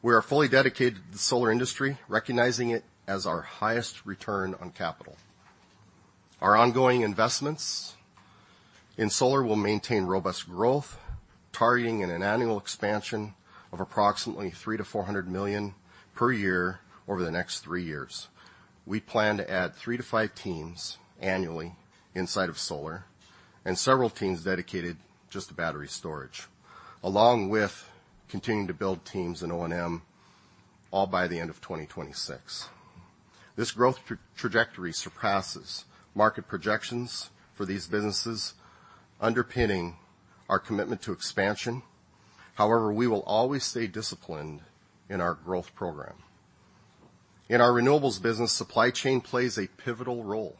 We are fully dedicated to the solar industry, recognizing it as our highest return on capital. Our ongoing investments in solar will maintain robust growth, targeting an annual expansion of approximately $3 million-$400 million per year over the next three years. We plan to add 3-5 teams annually inside of solar and several teams dedicated just to battery storage, along with continuing to build teams in O&M all by the end of 2026. This growth trajectory surpasses market projections for these businesses, underpinning our commitment to expansion. However, we will always stay disciplined in our growth program. In our renewables business, supply chain plays a pivotal role.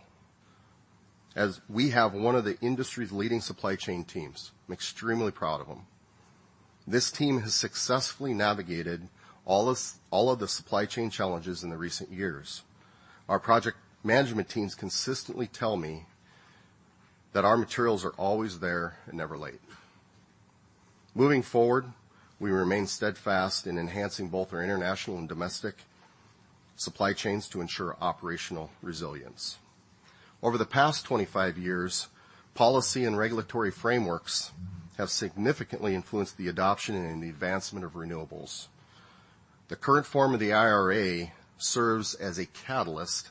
As we have one of the industry's leading supply chain teams, I'm extremely proud of them. This team has successfully navigated all of the supply chain challenges in the recent years. Our project management teams consistently tell me that our materials are always there and never late. Moving forward, we remain steadfast in enhancing both our international and domestic supply chains to ensure operational resilience. Over the past 25 years, policy and regulatory frameworks have significantly influenced the adoption and the advancement of renewables. The current form of the IRA serves as a catalyst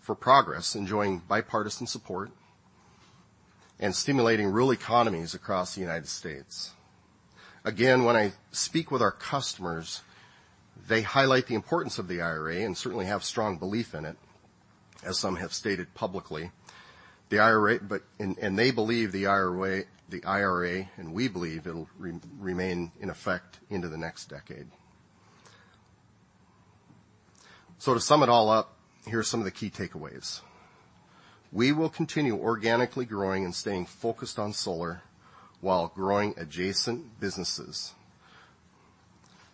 for progress, enjoying bipartisan support and stimulating rural economies across the United States. Again, when I speak with our customers, they highlight the importance of the IRA and certainly have strong belief in it, as some have stated publicly, and they believe the IRA, and we believe it'll remain in effect into the next decade. So to sum it all up, here are some of the key takeaways. We will continue organically growing and staying focused on solar while growing adjacent businesses.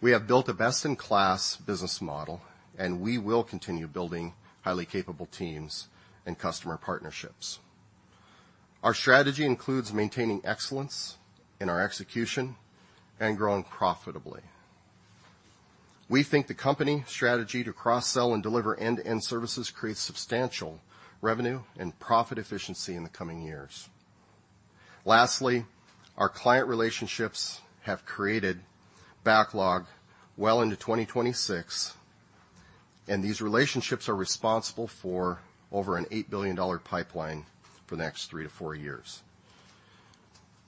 We have built a best-in-class business model, and we will continue building highly capable teams and customer partnerships. Our strategy includes maintaining excellence in our execution and growing profitably. We think the company strategy to cross-sell and deliver end-to-end services creates substantial revenue and profit efficiency in the coming years. Lastly, our client relationships have created backlog well into 2026, and these relationships are responsible for over an $8 billion pipeline for the next three to four years.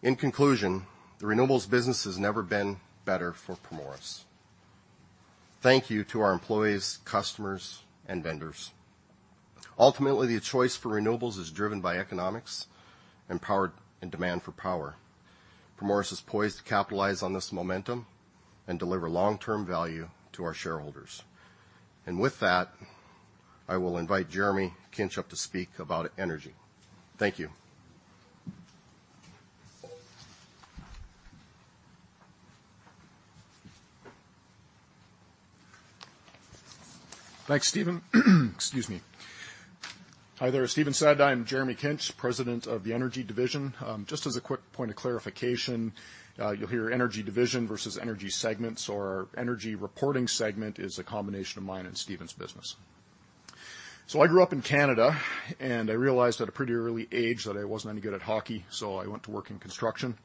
In conclusion, the renewables business has never been better for Primoris. Thank you to our employees, customers, and vendors. Ultimately, the choice for renewables is driven by economics and demand for power. Primoris is poised to capitalize on this momentum and deliver long-term value to our shareholders. With that, I will invite Jeremy Kinch to speak about energy. Thank you. Thanks, Stephen. Excuse me. Hi there. I'm Jeremy Kinch, president of the Energy Division. Just as a quick point of clarification, you'll hear Energy Division versus energy segments, or our energy reporting segment is a combination of mine and Stephen's business. So I grew up in Canada, and I realized at a pretty early age that I wasn't any good at hockey, so I went to work in construction.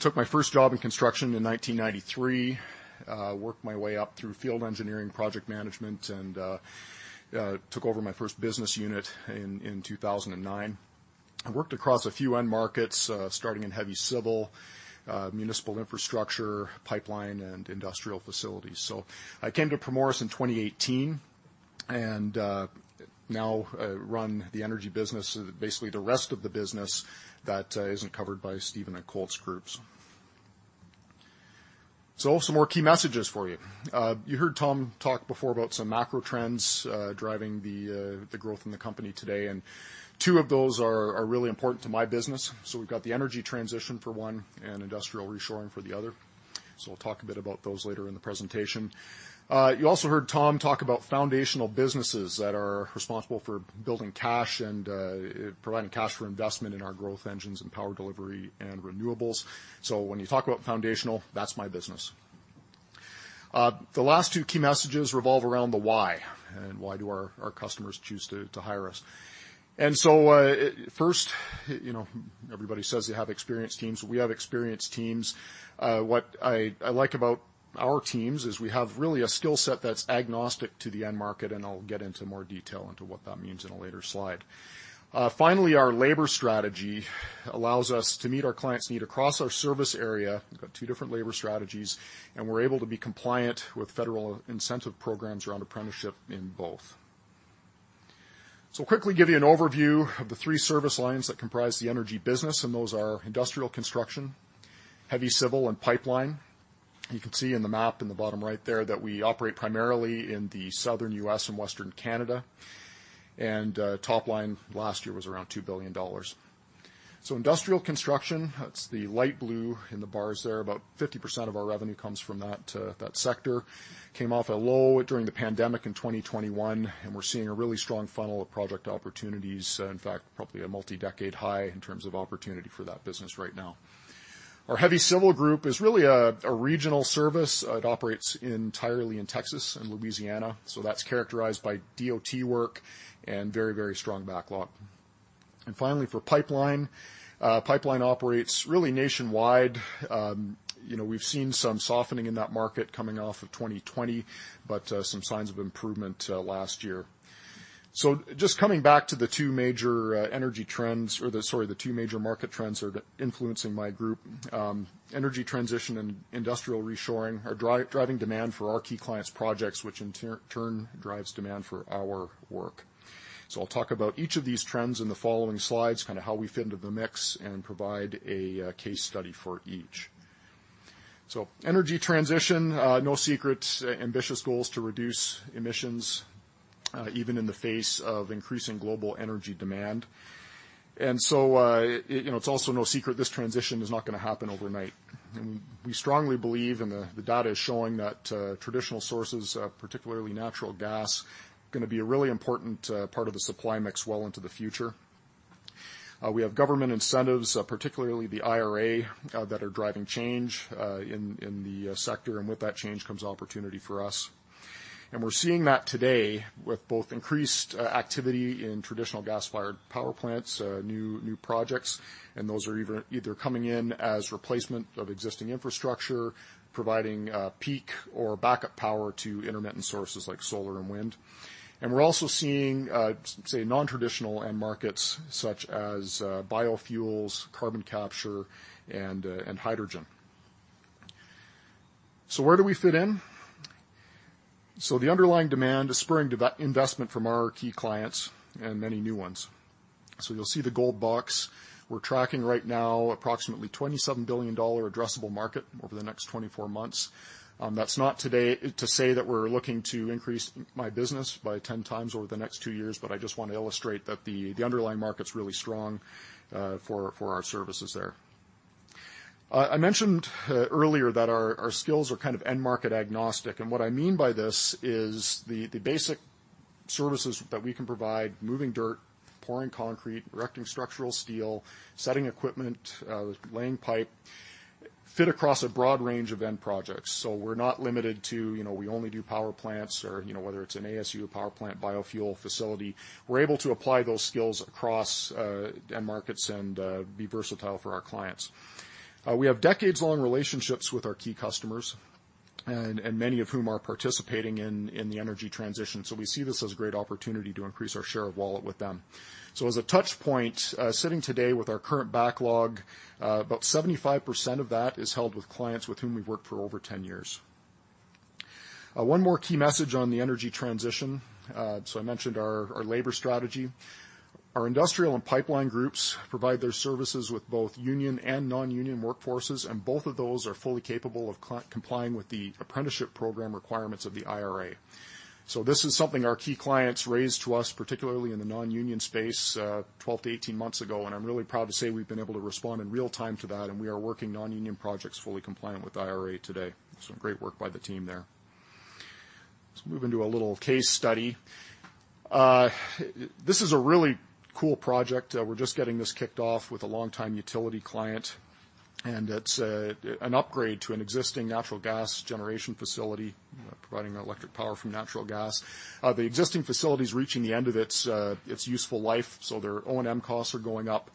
Took my first job in construction in 1993, worked my way up through field engineering, project management, and took over my first business unit in 2009. I worked across a few end markets, starting in heavy civil, municipal infrastructure, pipeline, and industrial facilities. So I came to Primoris in 2018 and now run the energy business, basically the rest of the business that isn't covered by Stephen and Colt's groups. So some more key messages for you. You heard Tom talk before about some macro trends driving the growth in the company today, and two of those are really important to my business. So we've got the energy transition for one and industrial reshoring for the other. So I'll talk a bit about those later in the presentation. You also heard Tom talk about foundational businesses that are responsible for building cash and providing cash for investment in our growth engines and power delivery and renewables. So when you talk about foundational, that's my business. The last two key messages revolve around the why and why do our customers choose to hire us. And so first, everybody says they have experienced teams. We have experienced teams. What I like about our teams is we have really a skill set that's agnostic to the end market, and I'll get into more detail into what that means in a later slide. Finally, our labor strategy allows us to meet our clients' need across our service area. We've got two different labor strategies, and we're able to be compliant with federal incentive programs around apprenticeship in both. So I'll quickly give you an overview of the three service lines that comprise the energy business, and those are industrial construction, heavy civil, and pipeline. You can see in the map in the bottom right there that we operate primarily in the southern U.S. and western Canada, and top line last year was around $2 billion. So industrial construction, that's the light blue in the bars there, about 50% of our revenue comes from that sector. Came off a low during the pandemic in 2021, and we're seeing a really strong funnel of project opportunities, in fact, probably a multi-decade high in terms of opportunity for that business right now. Our heavy civil group is really a regional service. It operates entirely in Texas and Louisiana, so that's characterized by DOT work and very, very strong backlog. And finally, for pipeline, pipeline operates really nationwide. We've seen some softening in that market coming off of 2020, but some signs of improvement last year. So just coming back to the two major energy trends or the sorry, the two major market trends that are influencing my group, energy transition and industrial reshoring are driving demand for our key clients' projects, which in turn drives demand for our work. So I'll talk about each of these trends in the following slides, kind of how we fit into the mix, and provide a case study for each. So energy transition, no secret, ambitious goals to reduce emissions even in the face of increasing global energy demand. And so it's also no secret this transition is not going to happen overnight. And we strongly believe, and the data is showing, that traditional sources, particularly natural gas, are going to be a really important part of the supply mix well into the future. We have government incentives, particularly the IRA, that are driving change in the sector, and with that change comes opportunity for us. We're seeing that today with both increased activity in traditional gas-fired power plants, new projects, and those are either coming in as replacement of existing infrastructure, providing peak or backup power to intermittent sources like solar and wind. We're also seeing, say, non-traditional end markets such as biofuels, carbon capture, and hydrogen. So where do we fit in? The underlying demand is spurring investment from our key clients and many new ones. You'll see the gold box. We're tracking right now approximately $27 billion addressable market over the next 24 months. That's not to say that we're looking to increase my business by 10x over the next two years, but I just want to illustrate that the underlying market's really strong for our services there. I mentioned earlier that our skills are kind of end-market agnostic, and what I mean by this is the basic services that we can provide: moving dirt, pouring concrete, erecting structural steel, setting equipment, laying pipe, fit across a broad range of end projects. So we're not limited to we only do power plants or whether it's an ASU, power plant, biofuel facility. We're able to apply those skills across end markets and be versatile for our clients. We have decades-long relationships with our key customers, and many of whom are participating in the energy transition. So we see this as a great opportunity to increase our share of wallet with them. So as a touchpoint, sitting today with our current backlog, about 75% of that is held with clients with whom we've worked for over 10 years. One more key message on the energy transition. So I mentioned our labor strategy. Our industrial and pipeline groups provide their services with both union and non-union workforces, and both of those are fully capable of complying with the apprenticeship program requirements of the IRA. So this is something our key clients raised to us, particularly in the non-union space, 12-18 months ago, and I'm really proud to say we've been able to respond in real time to that, and we are working non-union projects fully compliant with IRA today. So great work by the team there. Let's move into a little case study. This is a really cool project. We're just getting this kicked off with a long-time utility client, and it's an upgrade to an existing natural gas generation facility, providing electric power from natural gas. The existing facility's reaching the end of its useful life, so their O&M costs are going up,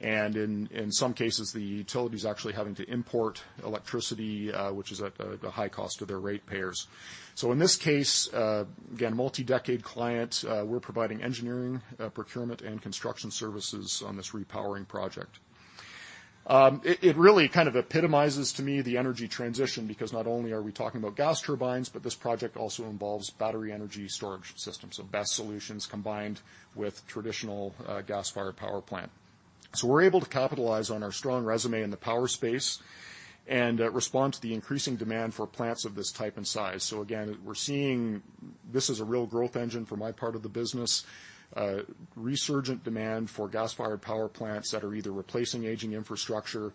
and in some cases, the utility's actually having to import electricity, which is at a high cost to their ratepayers. So in this case, again, multi-decade client, we're providing engineering, procurement, and construction services on this repowering project. It really kind of epitomizes to me the energy transition because not only are we talking about gas turbines, but this project also involves battery energy storage systems, so BESS solutions combined with traditional gas-fired power plant. So we're able to capitalize on our strong resume in the power space and respond to the increasing demand for plants of this type and size. So again, we're seeing this is a real growth engine for my part of the business, resurgent demand for gas-fired power plants that are either replacing aging infrastructure,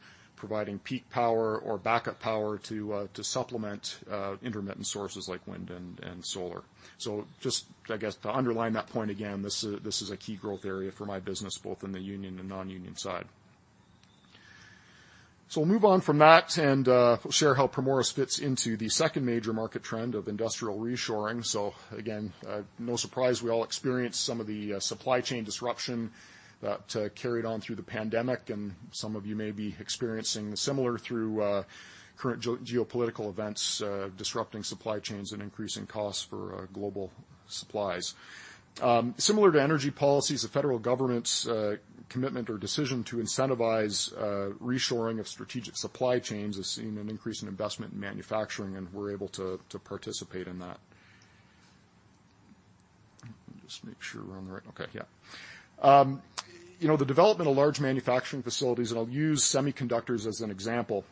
providing peak power, or backup power to supplement intermittent sources like wind and solar. So just, I guess, to underline that point again, this is a key growth area for my business, both in the union and non-union side. So we'll move on from that and share how Primoris fits into the second major market trend of industrial reshoring. So again, no surprise we all experienced some of the supply chain disruption that carried on through the pandemic, and some of you may be experiencing similar through current geopolitical events disrupting supply chains and increasing costs for global supplies. Similar to energy policies, the federal government's commitment or decision to incentivize reshoring of strategic supply chains has seen an increase in investment in manufacturing, and we're able to participate in that. Let me just make sure we're on the right, okay, yeah. The development of large manufacturing facilities, and I'll use semiconductors as an example,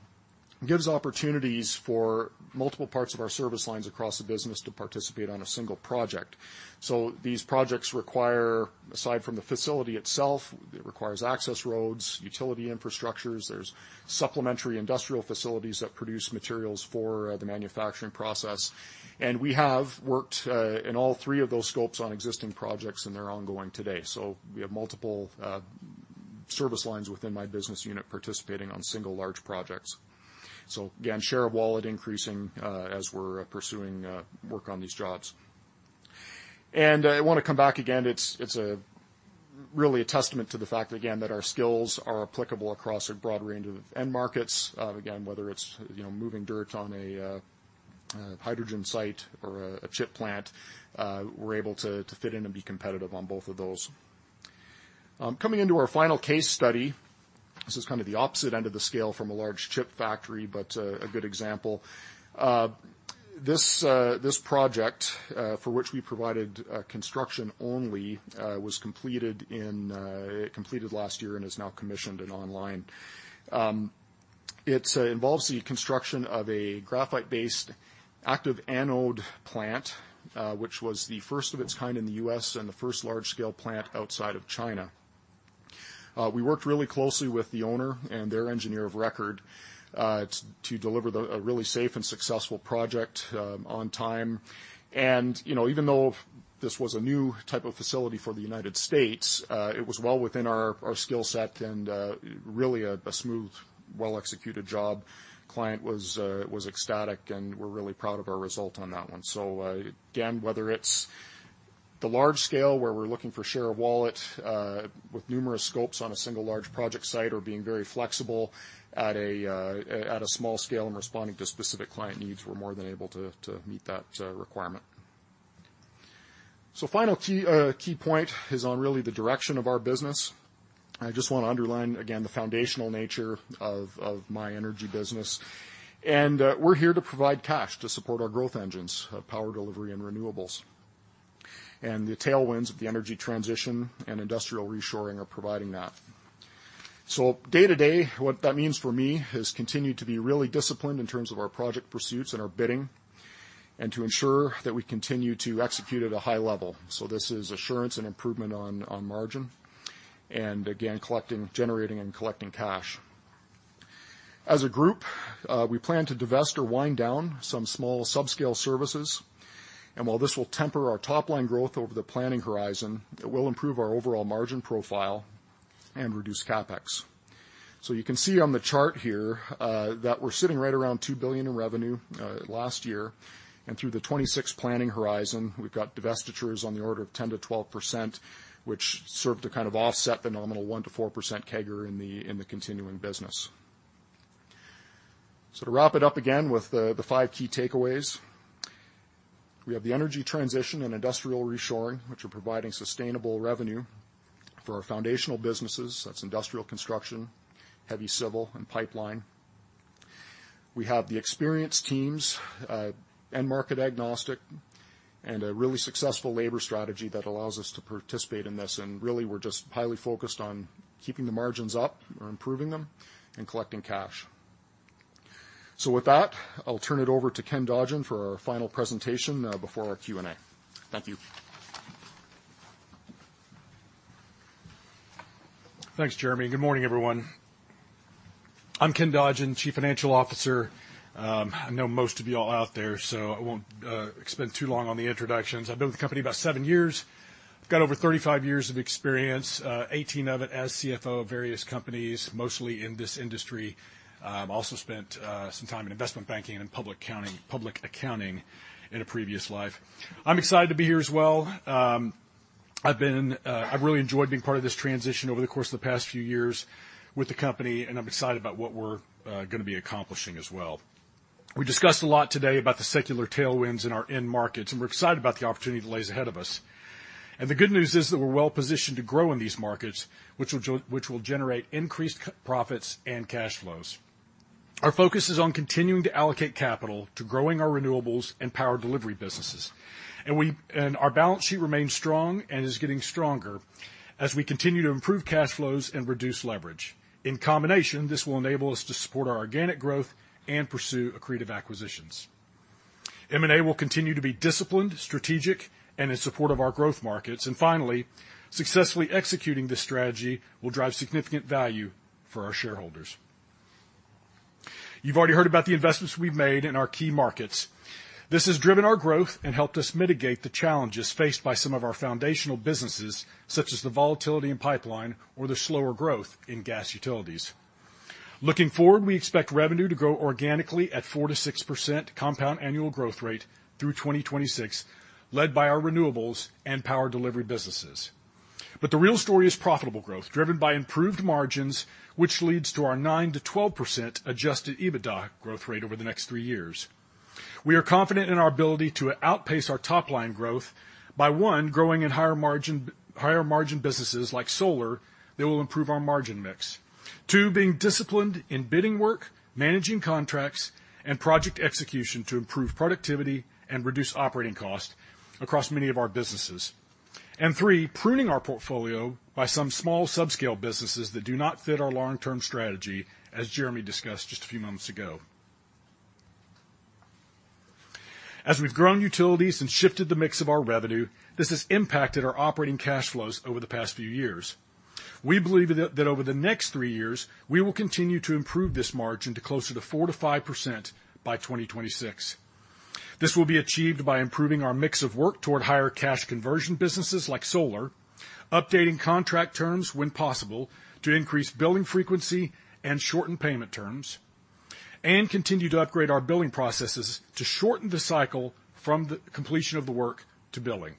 gives opportunities for multiple parts of our service lines across the business to participate on a single project. So these projects require, aside from the facility itself, it requires access roads, utility infrastructures. There's supplementary industrial facilities that produce materials for the manufacturing process, and we have worked in all three of those scopes on existing projects, and they're ongoing today. So we have multiple service lines within my business unit participating on single large projects. So again, share of wallet increasing as we're pursuing work on these jobs. I want to come back again. It's really a testament to the fact that, again, that our skills are applicable across a broad range of end markets. Again, whether it's moving dirt on a hydrogen site or a chip plant, we're able to fit in and be competitive on both of those. Coming into our final case study, this is kind of the opposite end of the scale from a large chip factory, but a good example. This project, for which we provided construction only, was completed last year and is now commissioned and online. It involves the construction of a graphite-based active anode plant, which was the first of its kind in the U.S. and the first large-scale plant outside of China. We worked really closely with the owner and their engineer of record to deliver a really safe and successful project on time. And even though this was a new type of facility for the United States, it was well within our skill set and really a smooth, well-executed job. Client was ecstatic, and we're really proud of our result on that one. So again, whether it's the large scale where we're looking for share of wallet with numerous scopes on a single large project site or being very flexible at a small scale and responding to specific client needs, we're more than able to meet that requirement. So final key point is on really the direction of our business. I just want to underline, again, the foundational nature of my energy business. And we're here to provide cash to support our growth engines, power delivery, and renewables. And the tailwinds of the energy transition and industrial reshoring are providing that. So day to day, what that means for me is continue to be really disciplined in terms of our project pursuits and our bidding and to ensure that we continue to execute at a high level. So this is assurance and improvement on margin and, again, generating and collecting cash. As a group, we plan to divest or wind down some small subscale services. And while this will temper our top line growth over the planning horizon, it will improve our overall margin profile and reduce CapEx. So you can see on the chart here that we're sitting right around $2 billion in revenue last year, and through the 2026 planning horizon, we've got divestitures on the order of 10%-12%, which serve to kind of offset the nominal 1%-4% CAGR in the continuing business. So to wrap it up again with the five key takeaways, we have the energy transition and industrial reshoring, which are providing sustainable revenue for our foundational businesses. That's industrial construction, heavy civil, and pipeline. We have the experienced teams, end market agnostic, and a really successful labor strategy that allows us to participate in this. And really, we're just highly focused on keeping the margins up or improving them and collecting cash. So with that, I'll turn it over to Ken Dodgen for our final presentation before our Q&A. Thank you. Thanks, Jeremy. Good morning, everyone. I'm Ken Dodgen, Chief Financial Officer. I know most of you all out there, so I won't spend too long on the introductions. I've been with the company about seven years. I've got over 35 years of experience, 18 of it as CFO of various companies, mostly in this industry. I've also spent some time in investment banking and public accounting in a previous life. I'm excited to be here as well. I've really enjoyed being part of this transition over the course of the past few years with the company, and I'm excited about what we're going to be accomplishing as well. We discussed a lot today about the secular tailwinds in our end markets, and we're excited about the opportunity that lays ahead of us. The good news is that we're well positioned to grow in these markets, which will generate increased profits and cash flows. Our focus is on continuing to allocate capital to growing our renewables and power delivery businesses. Our balance sheet remains strong and is getting stronger as we continue to improve cash flows and reduce leverage. In combination, this will enable us to support our organic growth and pursue accretive acquisitions. M&A will continue to be disciplined, strategic, and in support of our growth markets. Finally, successfully executing this strategy will drive significant value for our shareholders. You've already heard about the investments we've made in our key markets. This has driven our growth and helped us mitigate the challenges faced by some of our foundational businesses, such as the volatility in pipeline or the slower growth in gas utilities. Looking forward, we expect revenue to grow organically at 4%-6% compound annual growth rate through 2026, led by our renewables and power delivery businesses. But the real story is profitable growth driven by improved margins, which leads to our 9%-12% adjusted EBITDA growth rate over the next three years. We are confident in our ability to outpace our top line growth by, 1, growing in higher margin businesses like solar that will improve our margin mix, 2, being disciplined in bidding work, managing contracts, and project execution to improve productivity and reduce operating costs across many of our businesses, and 3, pruning our portfolio by some small subscale businesses that do not fit our long-term strategy, as Jeremy discussed just a few moments ago. As we've grown utilities and shifted the mix of our revenue, this has impacted our operating cash flows over the past few years. We believe that over the next 3 years, we will continue to improve this margin to closer to 4%-5% by 2026. This will be achieved by improving our mix of work toward higher cash conversion businesses like solar, updating contract terms when possible to increase billing frequency and shorten payment terms, and continue to upgrade our billing processes to shorten the cycle from the completion of the work to billing.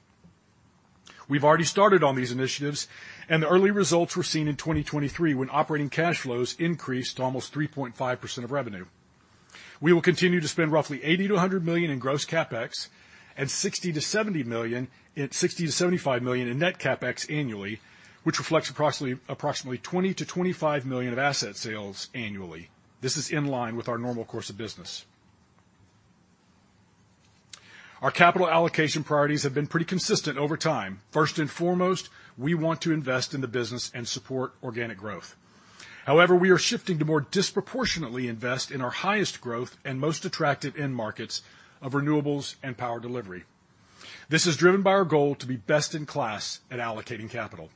We've already started on these initiatives, and the early results were seen in 2023 when operating cash flows increased almost 3.5% of revenue. We will continue to spend roughly $80 million-$100 million in gross CapEx and $60 million-$70 million in net CapEx annually, which reflects approximately $20 million-$25 million of asset sales annually. This is in line with our normal course of business. Our capital allocation priorities have been pretty consistent over time. First and foremost, we want to invest in the business and support organic growth. However, we are shifting to more disproportionately invest in our highest growth and most attractive end markets of renewables and power delivery. This is driven by our goal to be best in class at allocating capital.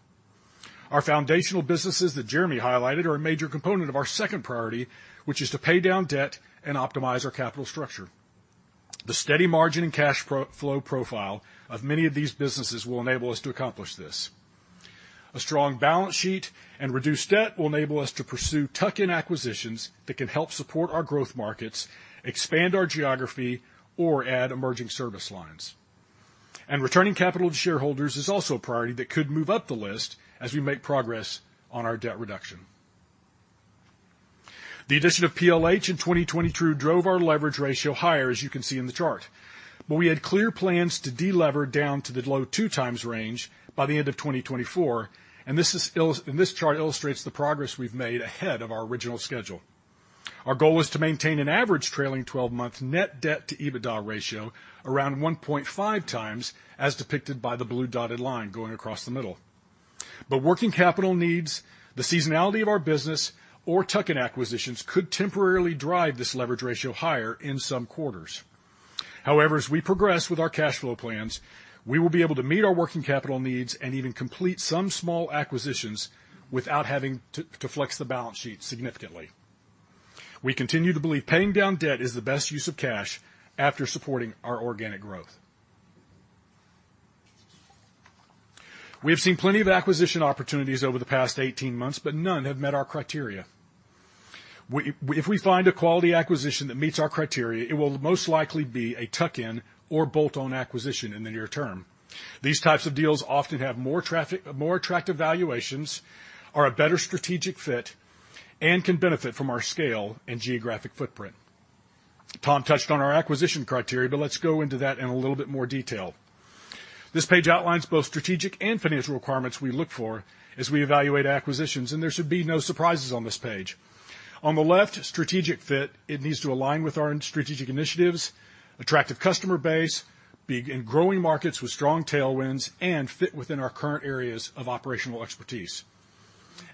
Our foundational businesses that Jeremy highlighted are a major component of our second priority, which is to pay down debt and optimize our capital structure. The steady margin and cash flow profile of many of these businesses will enable us to accomplish this. A strong balance sheet and reduced debt will enable us to pursue tuck-in acquisitions that can help support our growth markets, expand our geography, or add emerging service lines. Returning capital to shareholders is also a priority that could move up the list as we make progress on our debt reduction. The addition of PLH in 2022 drove our leverage ratio higher, as you can see in the chart. We had clear plans to deleverage down to the low 2-times range by the end of 2024, and this chart illustrates the progress we've made ahead of our original schedule. Our goal was to maintain an average trailing 12-month net debt to EBITDA ratio around 1.5 times as depicted by the blue dotted line going across the middle. Working capital needs, the seasonality of our business, or tuck-in acquisitions could temporarily drive this leverage ratio higher in some quarters. However, as we progress with our cash flow plans, we will be able to meet our working capital needs and even complete some small acquisitions without having to flex the balance sheet significantly. We continue to believe paying down debt is the best use of cash after supporting our organic growth. We have seen plenty of acquisition opportunities over the past 18 months, but none have met our criteria. If we find a quality acquisition that meets our criteria, it will most likely be a tuck-in or bolt-on acquisition in the near term. These types of deals often have more attractive valuations, are a better strategic fit, and can benefit from our scale and geographic footprint. Tom touched on our acquisition criteria, but let's go into that in a little bit more detail. This page outlines both strategic and financial requirements we look for as we evaluate acquisitions, and there should be no surprises on this page. On the left, strategic fit. It needs to align with our strategic initiatives, attractive customer base, be in growing markets with strong tailwinds, and fit within our current areas of operational expertise.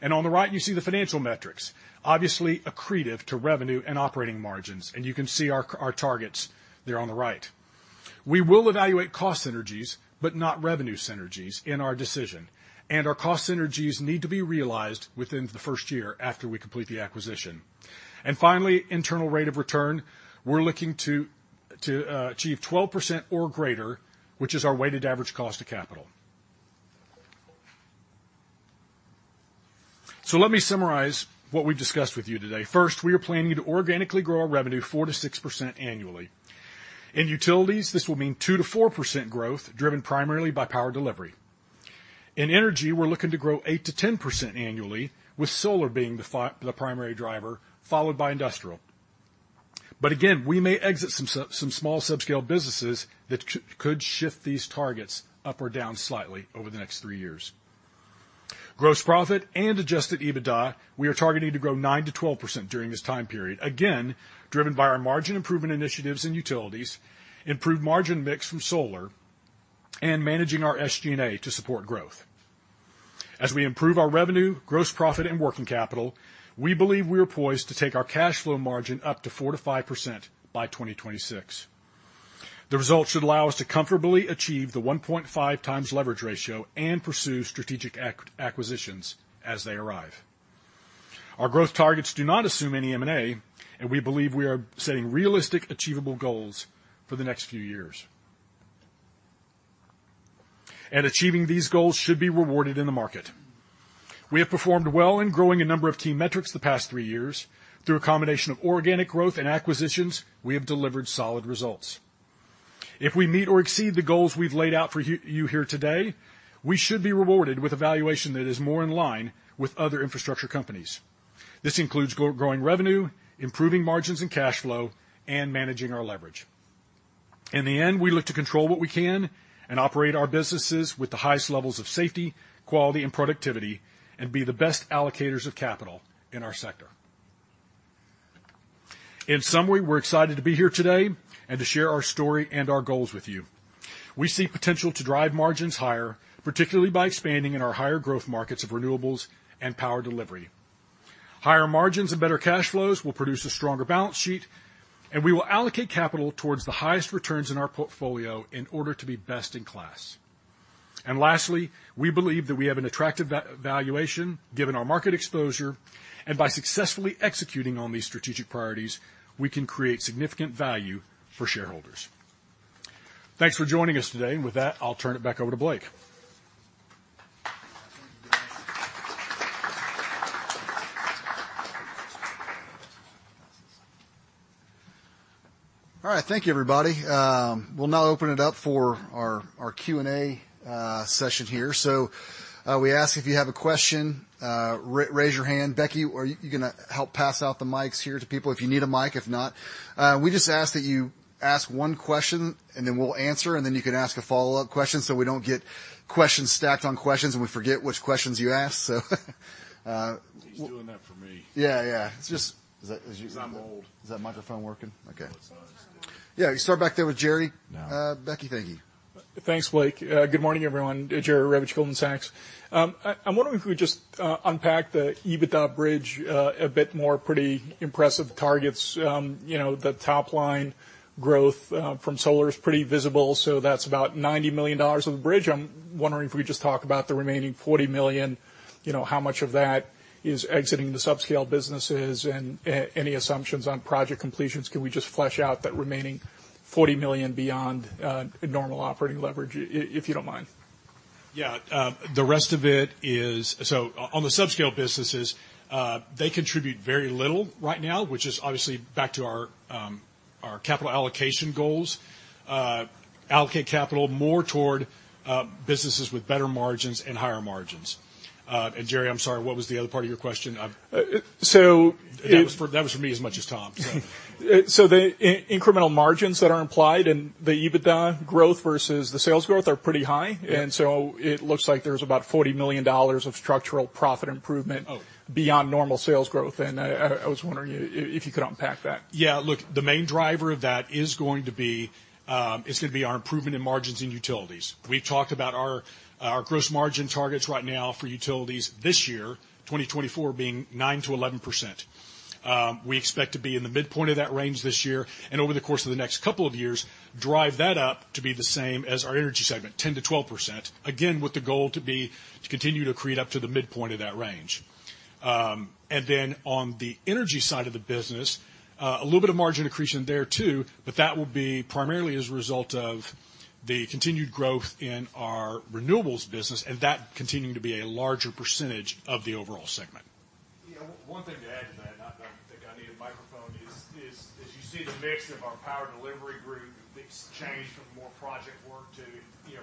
On the right, you see the financial metrics, obviously accretive to revenue and operating margins, and you can see our targets there on the right. We will evaluate cost synergies but not revenue synergies in our decision, and our cost synergies need to be realized within the first year after we complete the acquisition. Finally, internal rate of return. We're looking to achieve 12% or greater, which is our weighted average cost of capital. Let me summarize what we've discussed with you today. First, we are planning to organically grow our revenue 4%-6% annually. In utilities, this will mean 2%-4% growth driven primarily by power delivery. In energy, we're looking to grow 8%-10% annually, with solar being the primary driver followed by industrial. Again, we may exit some small subscale businesses that could shift these targets up or down slightly over the next three years. Gross profit and adjusted EBITDA, we are targeting to grow 9%-12% during this time period, again driven by our margin improvement initiatives in utilities, improved margin mix from solar, and managing our SG&A to support growth. As we improve our revenue, gross profit, and working capital, we believe we are poised to take our cash flow margin up to 4%-5% by 2026. The results should allow us to comfortably achieve the 1.5x leverage ratio and pursue strategic acquisitions as they arrive. Our growth targets do not assume any M&A, and we believe we are setting realistic, achievable goals for the next few years. Achieving these goals should be rewarded in the market. We have performed well in growing a number of key metrics the past 3 years. Through a combination of organic growth and acquisitions, we have delivered solid results. If we meet or exceed the goals we've laid out for you here today, we should be rewarded with evaluation that is more in line with other infrastructure companies. This includes growing revenue, improving margins and cash flow, and managing our leverage. In the end, we look to control what we can and operate our businesses with the highest levels of safety, quality, and productivity, and be the best allocators of capital in our sector. In summary, we're excited to be here today and to share our story and our goals with you. We see potential to drive margins higher, particularly by expanding in our higher growth markets of renewables and power delivery. Higher margins and better cash flows will produce a stronger balance sheet, and we will allocate capital towards the highest returns in our portfolio in order to be best in class. And lastly, we believe that we have an attractive valuation given our market exposure, and by successfully executing on these strategic priorities, we can create significant value for shareholders. Thanks for joining us today. And with that, I'll turn it back over to Blake. All right. Thank you, everybody. We'll now open it up for our Q&A session here. So we ask if you have a question, raise your hand. Becky, are you going to help pass out the mics here to people if you need a mic? If not, we just ask that you ask one question, and then we'll answer, and then you can ask a follow-up question so we don't get questions stacked on questions and we forget which questions you asked, so. He's doing that for me. Yeah, yeah. It's just. Because I'm old. Is that microphone working? Okay. Yeah, you start back there with Jerry. Becky, thank you. Thanks, Blake. Good morning, everyone. Jerry Revich, Goldman Sachs. I'm wondering if we could just unpack the EBITDA bridge a bit more. Pretty impressive targets. The top line growth from solar is pretty visible, so that's about $90 million of the bridge. I'm wondering if we could just talk about the remaining $40 million. How much of that is exiting the subscale businesses and any assumptions on project completions? Can we just flesh out that remaining $40 million beyond normal operating leverage, if you don't mind? Yeah. The rest of it is so on the subscale businesses, they contribute very little right now, which is obviously back to our capital allocation goals. Allocate capital more toward businesses with better margins and higher margins. And Jerry, I'm sorry, what was the other part of your question? So that was for me as much as Tom, so. So the incremental margins that are implied and the EBITDA growth versus the sales growth are pretty high. And so it looks like there's about $40 million of structural profit improvement beyond normal sales growth. And I was wondering if you could unpack that. Yeah. Look, the main driver of that is going to be it's going to be our improvement in margins in utilities. We've talked about our gross margin targets right now for utilities this year, 2024 being 9%-11%. We expect to be in the midpoint of that range this year and over the course of the next couple of years, drive that up to be the same as our energy segment, 10%-12%, again with the goal to continue to create up to the midpoint of that range. And then on the energy side of the business, a little bit of margin accretion there too, but that will be primarily as a result of the continued growth in our renewables business and that continuing to be a larger percentage of the overall segment. One thing to add to that, and I don't think I need a microphone, is as you see the mix of our power delivery group, it's changed from more project work to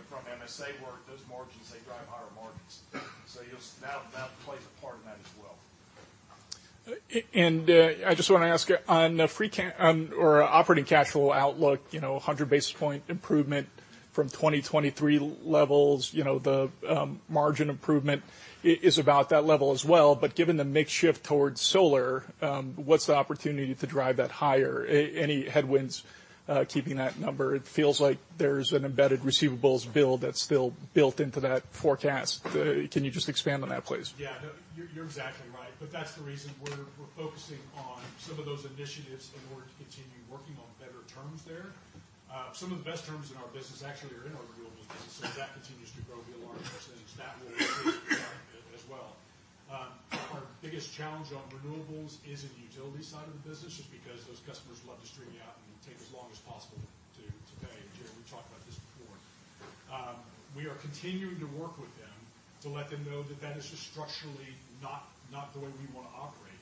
from MSA work, those margins, they drive higher margins. So that plays a part in that as well. I just want to ask on operating cash flow outlook, 100 basis points improvement from 2023 levels, the margin improvement is about that level as well. But given the mix shift towards solar, what's the opportunity to drive that higher? Any headwinds keeping that number? It feels like there's an embedded receivables bill that's still built into that forecast. Can you just expand on that, please? Yeah, no, you're exactly right. But that's the reason we're focusing on some of those initiatives in order to continue working on better terms there. Some of the best terms in our business actually are in our renewables business, so if that continues to grow, we'll be a large percentage. That will improve as well. Our biggest challenge on renewables is in the utility side of the business just because those customers love to stream you out and take as long as possible to pay. And Jerry, we've talked about this before. We are continuing to work with them to let them know that that is just structurally not the way we want to operate.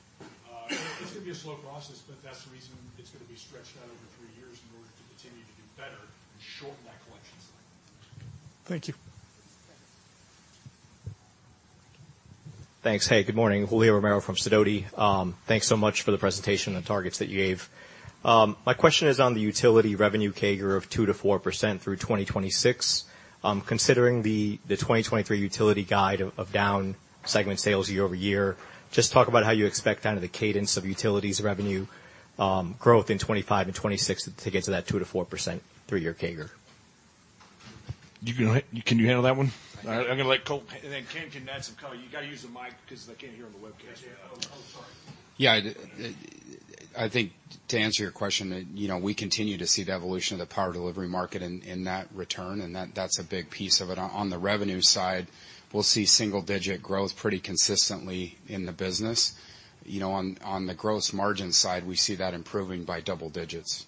It's going to be a slow process, but that's the reason it's going to be stretched out over three years in order to continue to do better and shorten that collection cycle. Thank you. Thanks. Hey, good morning. Julio Romero from Sidoti. Thanks so much for the presentation and the targets that you gave. My question is on the utility revenue CAGR of 2%-4% through 2026. Considering the 2023 utility guide of down segment sales year-over-year, just talk about how you expect kind of the cadence of utilities revenue growth in 2025 and 2026 to get to that 2%-4% three-year CAGR. Can you handle that one? I'm going to let Colt, and then Ken can add some color. You got to use the mic because they can't hear on the webcast. Yeah, I think to answer your question, we continue to see the evolution of the power delivery market in that return, and that's a big piece of it. On the revenue side, we'll see single-digit growth pretty consistently in the business. On the gross margin side, we see that improving by double digits.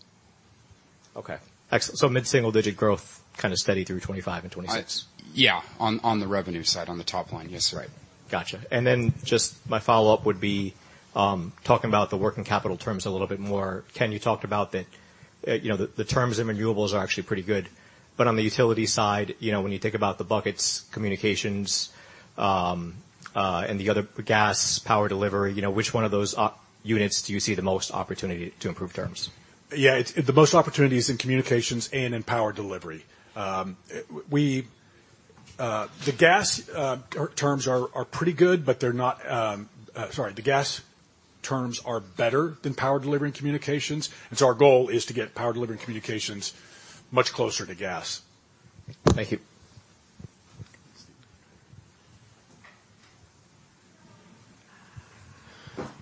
Okay. So mid-single-digit growth kind of steady through 2025 and 2026? Yeah, on the revenue side, on the top line, yes, sir. Right. Gotcha. And then just my follow-up would be talking about the working capital terms a little bit more. Ken, you talked about that the terms in renewables are actually pretty good. But on the utility side, when you think about the buckets, communications, and the other gas, power delivery, which one of those units do you see the most opportunity to improve terms? Yeah, the most opportunity is in communications and in power delivery. The gas terms are pretty good, but they're not sorry, the gas terms are better than power delivery and communications. And so our goal is to get power delivery and communications much closer to gas. Thank you.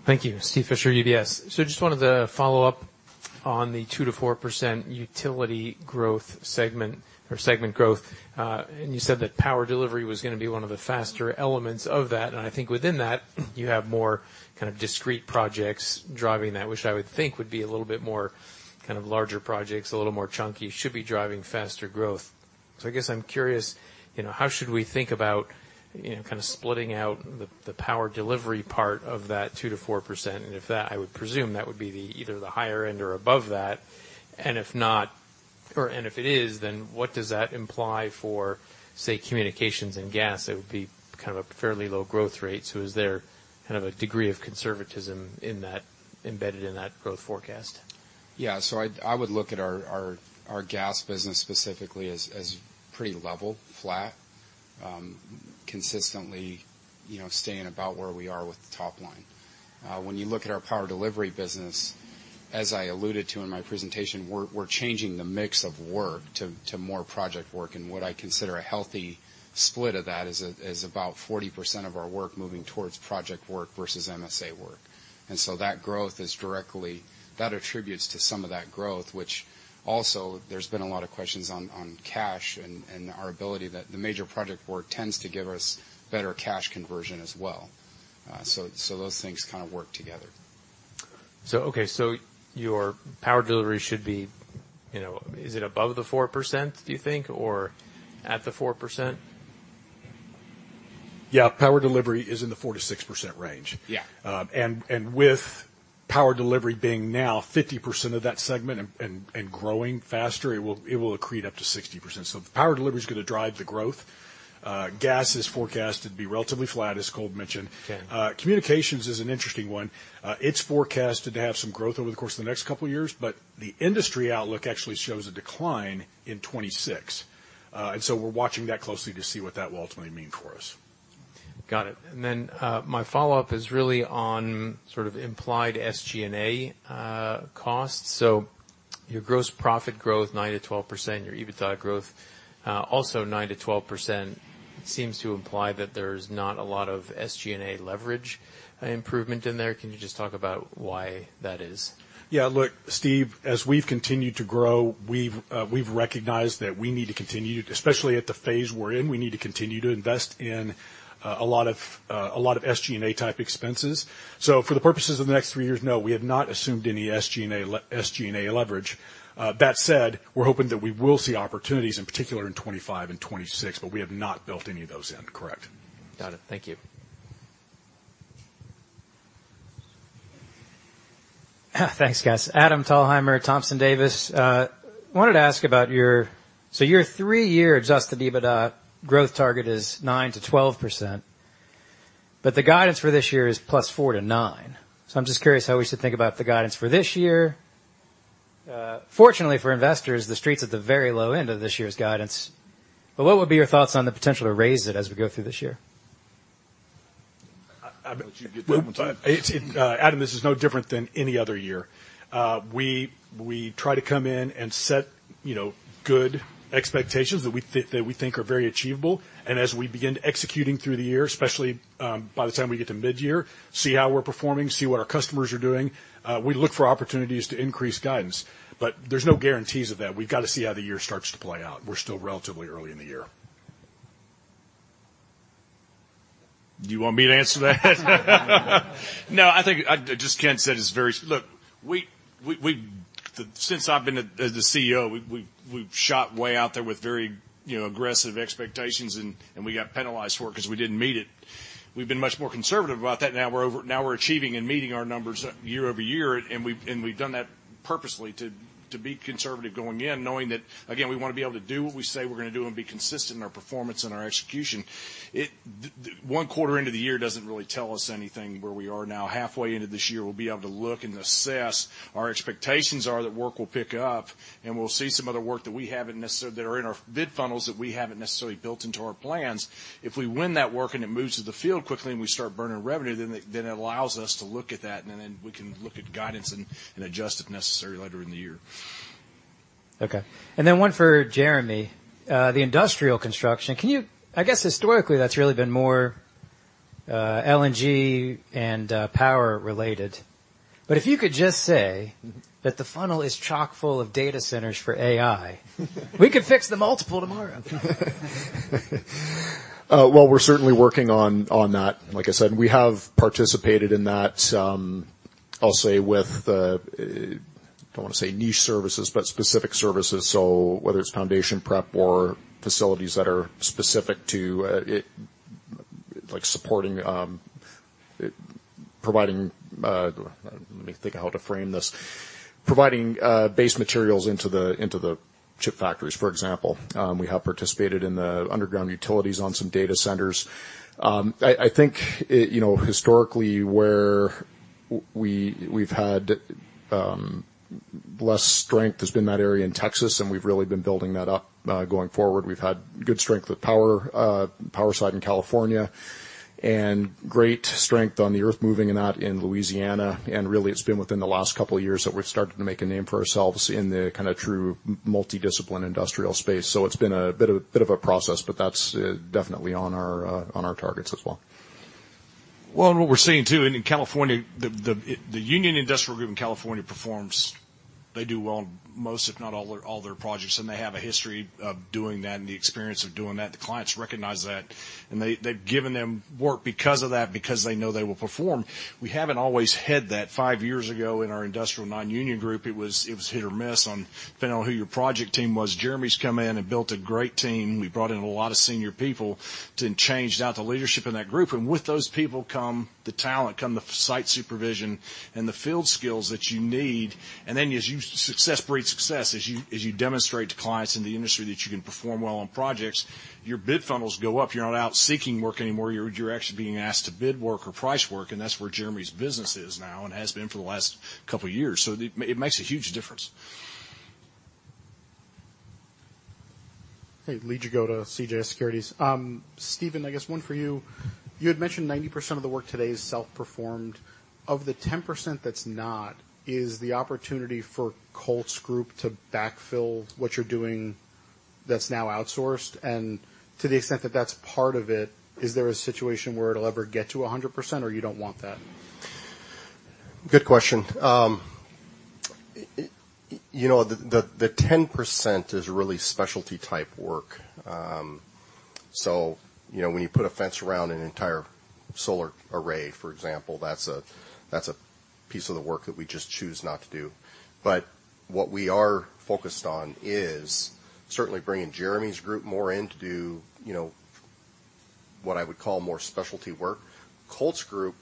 Thank you. Steve Fisher, UBS. So just wanted to follow up on the 2%-4% utility growth segment or segment growth. And you said that power delivery was going to be one of the faster elements of that. And I think within that, you have more kind of discrete projects driving that, which I would think would be a little bit more kind of larger projects, a little more chunky, should be driving faster growth. So I guess I'm curious, how should we think about kind of splitting out the power delivery part of that 2%-4%? And if that, I would presume that would be either the higher end or above that. And if not, or and if it is, then what does that imply for, say, communications and gas? It would be kind of a fairly low growth rate. Is there kind of a degree of conservatism embedded in that growth forecast? Yeah. So I would look at our gas business specifically as pretty level, flat, consistently staying about where we are with the top line. When you look at our power delivery business, as I alluded to in my presentation, we're changing the mix of work to more project work. And what I consider a healthy split of that is about 40% of our work moving towards project work versus MSA work. And so that growth is directly that attributes to some of that growth, which also there's been a lot of questions on cash and our ability that the major project work tends to give us better cash conversion as well. So those things kind of work together. Okay, so your power delivery should be, is it above the 4%, do you think, or at the 4%? Yeah, power delivery is in the 4%-6% range. With power delivery being now 50% of that segment and growing faster, it will accrete up to 60%. So power delivery is going to drive the growth. Gas is forecasted to be relatively flat, as Colt mentioned. Communications is an interesting one. It's forecasted to have some growth over the course of the next couple of years, but the industry outlook actually shows a decline in 2026. So we're watching that closely to see what that will ultimately mean for us. Got it. And then my follow-up is really on sort of implied SG&A costs. So your gross profit growth, 9%-12%, your EBITDA growth, also 9%-12%, seems to imply that there's not a lot of SG&A leverage improvement in there. Can you just talk about why that is? Yeah. Look, Steve, as we've continued to grow, we've recognized that we need to continue to especially at the phase we're in, we need to continue to invest in a lot of SG&A type expenses. So for the purposes of the next three years, no, we have not assumed any SG&A leverage. That said, we're hoping that we will see opportunities, in particular in 2025 and 2026, but we have not built any of those in, correct. Got it. Thank you. Thanks, guys. Adam Thalhimer, Thompson Davis. Wanted to ask about your so your three-year adjusted EBITDA growth target is 9%-12%, but the guidance for this year is +4 to 9. So I'm just curious how we should think about the guidance for this year. Fortunately for investors, the street's at the very low end of this year's guidance. But what would be your thoughts on the potential to raise it as we go through this year? I'll let you get that one Tom.Adam, this is no different than any other year. We try to come in and set good expectations that we think are very achievable. As we begin executing through the year, especially by the time we get to mid-year, see how we're performing, see what our customers are doing, we look for opportunities to increase guidance. But there's no guarantees of that. We've got to see how the year starts to play out. We're still relatively early in the year. Do you want me to answer that? No, I think just Ken said it's very, look, since I've been the CEO, we've shot way out there with very aggressive expectations, and we got penalized for it because we didn't meet it. We've been much more conservative about that. Now we're achieving and meeting our numbers year-over-year, and we've done that purposely to be conservative going in, knowing that, again, we want to be able to do what we say we're going to do and be consistent in our performance and our execution. One quarter into the year doesn't really tell us anything where we are now. Halfway into this year, we'll be able to look and assess. Our expectations are that work will pick up, and we'll see some other work that we haven't necessarily that are in our bid funnels that we haven't necessarily built into our plans. If we win that work and it moves to the field quickly and we start burning revenue, then it allows us to look at that, and then we can look at guidance and adjust if necessary later in the year. Okay. And then one for Jeremy. The industrial construction, I guess historically, that's really been more LNG and power related. But if you could just say that the funnel is chock-full of data centers for AI, we could fix the multiple tomorrow. Well, we're certainly working on that. Like I said, we have participated in that, I'll say, with I don't want to say niche services, but specific services. So whether it's foundation prep or facilities that are specific to supporting providing let me think how to frame this. Providing base materials into the chip factories, for example. We have participated in the underground utilities on some data centers. I think historically, where we've had less strength has been that area in Texas, and we've really been building that up going forward. We've had good strength with power side in California and great strength on the earth moving and that in Louisiana. And really, it's been within the last couple of years that we've started to make a name for ourselves in the kind of true multidisciplinary industrial space. It's been a bit of a process, but that's definitely on our targets as well. Well, and what we're seeing too, in California, the union industrial group in California performs. They do well on most, if not all, their projects. And they have a history of doing that and the experience of doing that. The clients recognize that, and they've given them work because of that because they know they will perform. We haven't always had that. Five years ago in our industrial non-union group, it was hit or miss, depending on who your project team was. Jeremy's come in and built a great team. We brought in a lot of senior people and changed out the leadership in that group. And with those people come the talent, come the site supervision, and the field skills that you need. Then as you success breeds success, as you demonstrate to clients in the industry that you can perform well on projects, your bid funnels go up. You're not out seeking work anymore. You're actually being asked to bid work or price work. And that's where Jeremy's business is now and has been for the last couple of years. It makes a huge difference. Hey, let you go to CJS Securities. Stephen, I guess one for you. You had mentioned 90% of the work today is self-performed. Of the 10% that's not, is the opportunity for Colt's group to backfill what you're doing that's now outsourced? And to the extent that that's part of it, is there a situation where it'll ever get to 100%, or you don't want that? Good question. The 10% is really specialty type work. So when you put a fence around an entire solar array, for example, that's a piece of the work that we just choose not to do. But what we are focused on is certainly bringing Jeremy's group more in to do what I would call more specialty work. Colt's group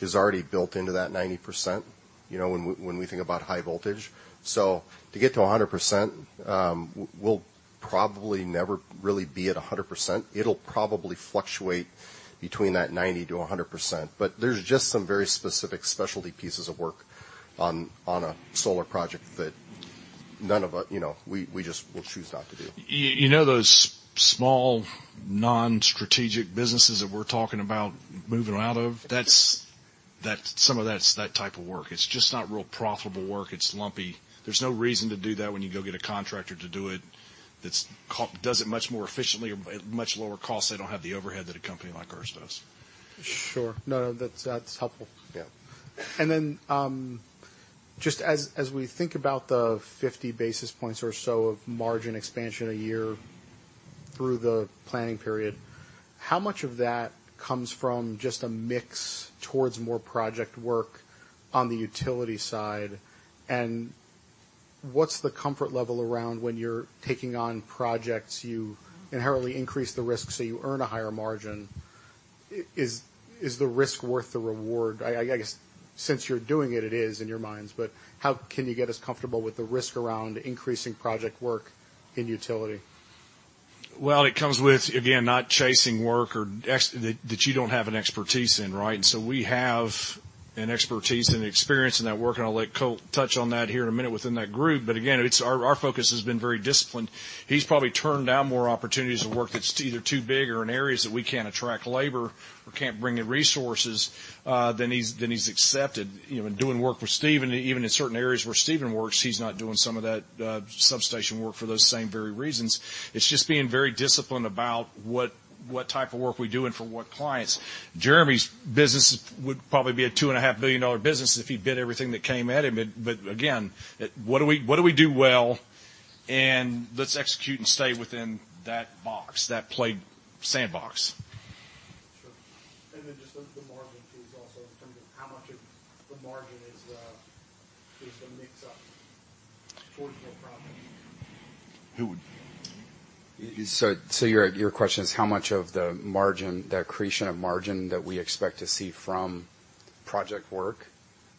is already built into that 90% when we think about high voltage. So to get to 100%, we'll probably never really be at 100%. It'll probably fluctuate between that 90%-100%. But there's just some very specific specialty pieces of work on a solar project that none of us we just will choose not to do. You know those small non-strategic businesses that we're talking about moving out of? That's some of that type of work. It's just not real profitable work. It's lumpy. There's no reason to do that when you go get a contractor to do it that does it much more efficiently or at much lower cost. They don't have the overhead that a company like ours does. Sure. No, no, that's helpful. And then just as we think about the 50 basis points or so of margin expansion a year through the planning period, how much of that comes from just a mix towards more project work on the utility side? And what's the comfort level around when you're taking on projects you inherently increase the risk so you earn a higher margin? Is the risk worth the reward? I guess since you're doing it, it is in your minds, but how can you get us comfortable with the risk around increasing project work in utility? Well, it comes with, again, not chasing work that you don't have an expertise in, right? And so we have an expertise and experience in that work, and I'll let Colt touch on that here in a minute within that group. But again, our focus has been very disciplined. He's probably turned down more opportunities of work that's either too big or in areas that we can't attract labor or can't bring in resources than he's accepted. Doing work with Stephen, even in certain areas where Stephen works, he's not doing some of that substation work for those same very reasons. It's just being very disciplined about what type of work we're doing for what clients. Jeremy's business would probably be a $2.5 billion business if he bid everything that came at him. Again, what do we do well, and let's execute and stay within that box, that play sandbox. Sure. Then just the margin piece also in terms of how much of the margin is the mix up towards more projects? Your question is how much of the margin, that creation of margin that we expect to see from project work?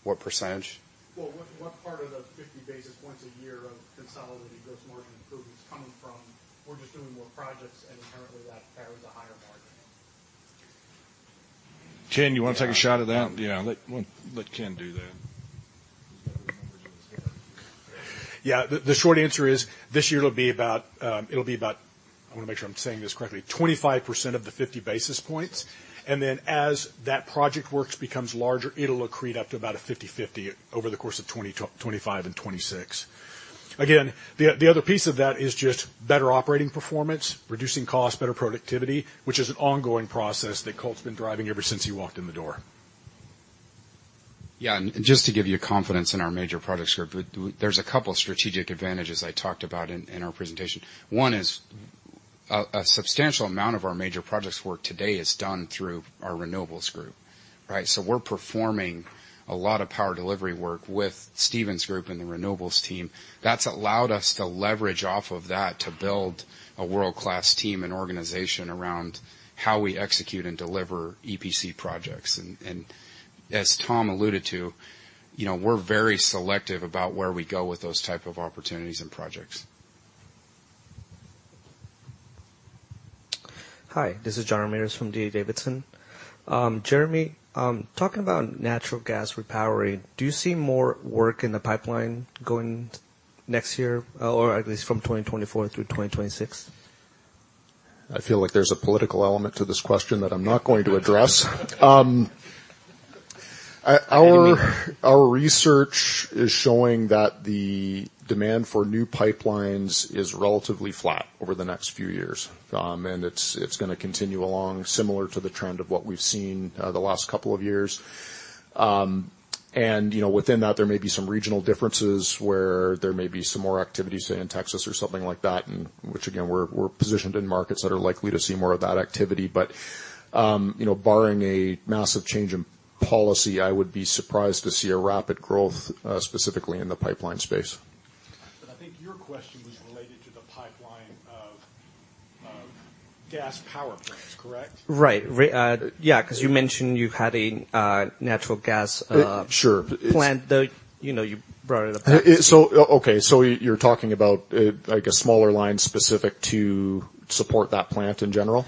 What percentage? Well, what part of the 50 basis points a year of consolidated gross margin improvement is coming from? We're just doing more projects, and inherently, that carries a higher margin? Ken, you want to take a shot at that? Yeah, let Ken do that. Yeah, the short answer is this year it'll be about, I want to make sure I'm saying this correctly, 25% of the 50 basis points. And then as that project works becomes larger, it'll accrete up to about a 50/50 over the course of 2025 and 2026. Again, the other piece of that is just better operating performance, reducing costs, better productivity, which is an ongoing process that Colt's been driving ever since he walked in the door. Yeah, and just to give you confidence in our Major Projects group, there's a couple of strategic advantages I talked about in our presentation. One is a substantial amount of our major projects work today is done through our Renewables group, right? So we're performing a lot of power delivery work with Stephen's group and the Renewables team. That's allowed us to leverage off of that to build a world-class team and organization around how we execute and deliver EPC projects. And as Tom alluded to, we're very selective about where we go with those type of opportunities and projects. Hi, this is John Ramirez from D.A. Davidson. Jeremy, talking about natural gas repowering, do you see more work in the pipeline going next year or at least from 2024 through 2026? I feel like there's a political element to this question that I'm not going to address. Our research is showing that the demand for new pipelines is relatively flat over the next few years, and it's going to continue along similar to the trend of what we've seen the last couple of years. And within that, there may be some regional differences where there may be some more activity, say, in Texas or something like that, which, again, we're positioned in markets that are likely to see more of that activity. But barring a massive change in policy, I would be surprised to see a rapid growth specifically in the pipeline space. I think your question was related to the pipeline of gas power plants, correct? Right. Yeah, because you mentioned you've had a natural gas plant, though you brought it up. Okay, so you're talking about, I guess, smaller lines specific to support that plant in general?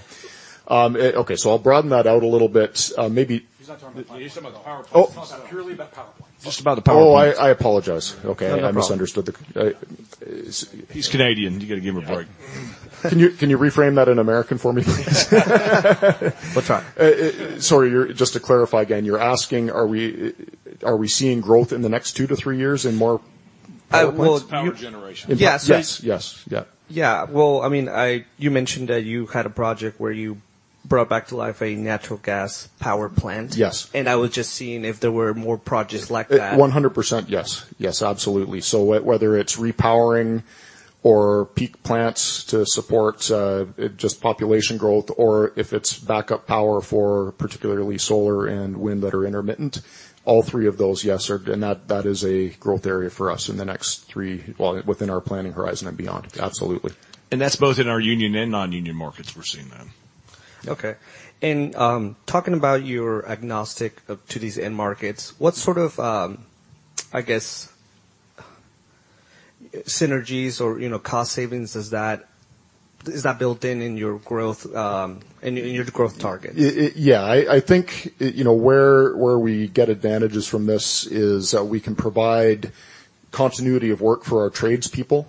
Okay, so I'll broaden that out a little bit. Maybe. He's not talking about the power plant. He's talking about the power plant. Just about the power plant. Oh, I apologize. Okay, I misunderstood the. He's Canadian. You got to give him a break. Can you reframe that in American for me, please? Let's try. Sorry, just to clarify again, you're asking, are we seeing growth in the next 2-3 years in more power generation? Yes. Yes, yes, yes. Yeah, well, I mean, you mentioned that you had a project where you brought back to life a natural gas power plant. I was just seeing if there were more projects like that. 100% yes. Yes, absolutely. So whether it's repowering or peak plants to support just population growth, or if it's backup power for particularly solar and wind that are intermittent, all three of those, yes, and that is a growth area for us in the next three, within our planning horizon and beyond. Absolutely. That's both in our union and non-union markets we're seeing then. Okay. Talking about your agnostic to these end markets, what sort of, I guess, synergies or cost savings is that built in in your growth and your growth targets? Yeah, I think where we get advantages from this is we can provide continuity of work for our tradespeople.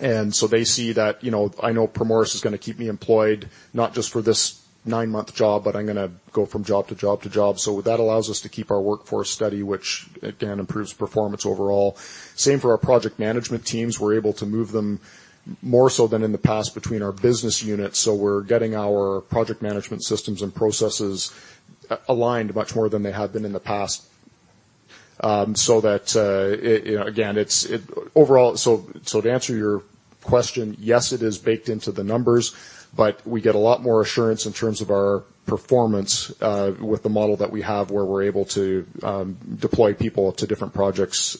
And so they see that I know Primoris is going to keep me employed not just for this nine-month job, but I'm going to go from job to job to job. So that allows us to keep our workforce steady, which, again, improves performance overall. Same for our project management teams. We're able to move them more so than in the past between our business units. We're getting our project management systems and processes aligned much more than they have been in the past so that, again, overall, to answer your question, yes, it is baked into the numbers, but we get a lot more assurance in terms of our performance with the model that we have where we're able to deploy people to different projects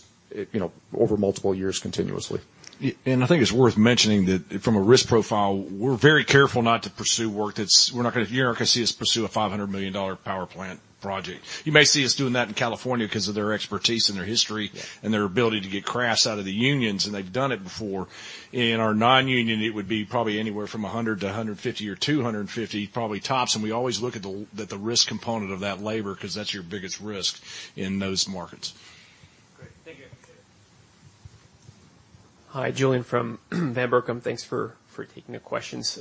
over multiple years continuously. I think it's worth mentioning that from a risk profile, we're very careful not to pursue work that's you're not going to see us pursue a $500 million power plant project. You may see us doing that in California because of their expertise and their history and their ability to get crafts out of the unions, and they've done it before. In our non-union, it would be probably anywhere from $100 million-$150 million or $250 million, probably tops. We always look at the risk component of that labor because that's your biggest risk in those markets. Great. Thank you. Hi, Julien from Van Berkom. Thanks for taking the questions.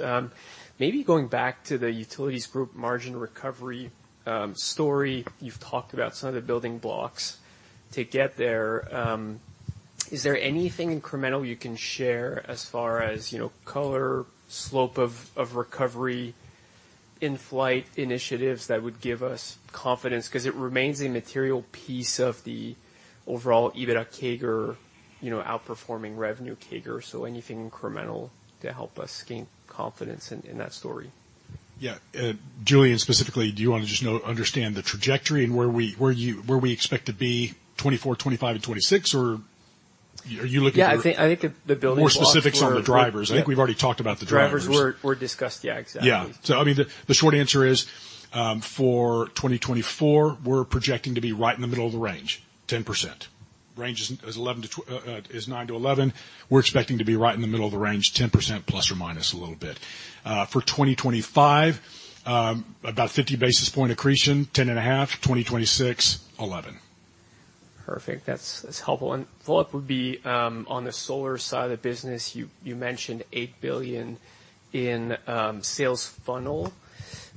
Maybe going back to the Utilities group margin recovery story, you've talked about some of the building blocks to get there. Is there anything incremental you can share as far as color, slope of recovery, in-flight initiatives that would give us confidence? Because it remains a material piece of the overall EBITDA CAGR, outperforming revenue CAGR. So anything incremental to help us gain confidence in that story? Yeah. Julio, specifically, do you want to just understand the trajectory and where we expect to be 2024, 2025, and 2026, or are you looking for? Yeah, I think the building blocks. More specifics on the drivers. I think we've already talked about the drivers. Drivers were discussed. Yeah, exactly. Yeah. So I mean, the short answer is for 2024, we're projecting to be right in the middle of the range, 10%. Range is 9%-11%. We're expecting to be right in the middle of the range, 10%+ or minus a little bit. For 2025, about 50 basis points accretion, 10.5%. 2026, 11%. Perfect. That's helpful. And follow-up would be on the solar side of the business. You mentioned $8 billion in sales funnel.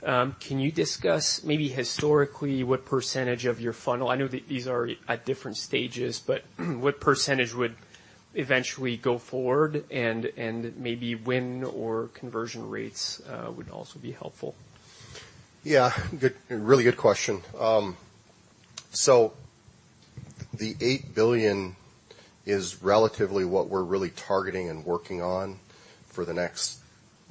Can you discuss maybe historically what percentage of your funnel I know these are at different stages, but what percentage would eventually go forward? And maybe win or conversion rates would also be helpful. Yeah, really good question. The $8 billion is relatively what we're really targeting and working on for the next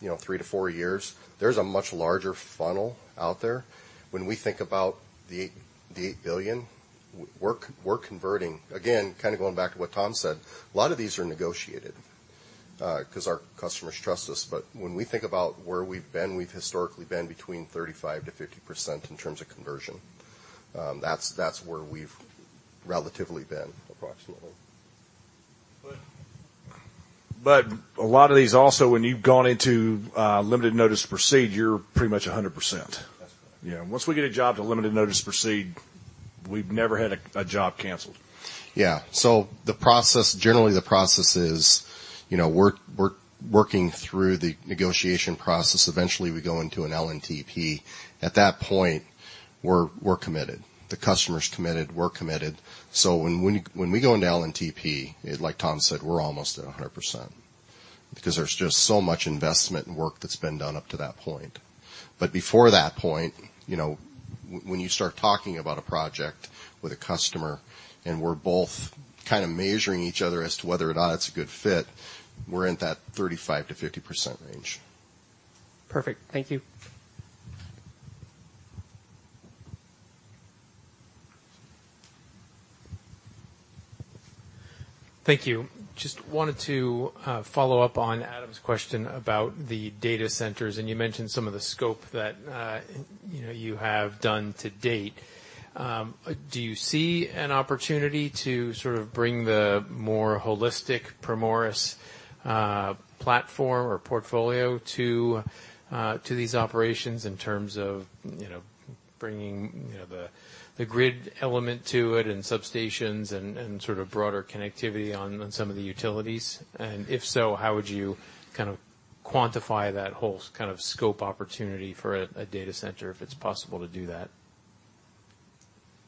3-4 years. There's a much larger funnel out there. When we think about the $8 billion, we're converting. Again, kind of going back to what Tom said, a lot of these are negotiated because our customers trust us. But when we think about where we've been, we've historically been between 35%-50% in terms of conversion. That's where we've relatively been, approximately. A lot of these also, when you've gone into Limited Notice to Proceed, you're pretty much 100%. That's correct. Yeah. Once we get a job to Limited Notice to Proceed, we've never had a job canceled. Yeah. So generally, the process is we're working through the negotiation process. Eventually, we go into an LNTP. At that point, we're committed. The customer's committed. We're committed. So when we go into LNTP, like Tom said, we're almost at 100% because there's just so much investment and work that's been done up to that point. But before that point, when you start talking about a project with a customer and we're both kind of measuring each other as to whether or not it's a good fit, we're in that 35%-50% range. Perfect. Thank you. Thank you. Just wanted to follow up on Adam's question about the data centers. You mentioned some of the scope that you have done to date. Do you see an opportunity to sort of bring the more holistic Primoris platform or portfolio to these operations in terms of bringing the grid element to it and substations and sort of broader connectivity on some of the utilities? If so, how would you kind of quantify that whole kind of scope opportunity for a data center if it's possible to do that?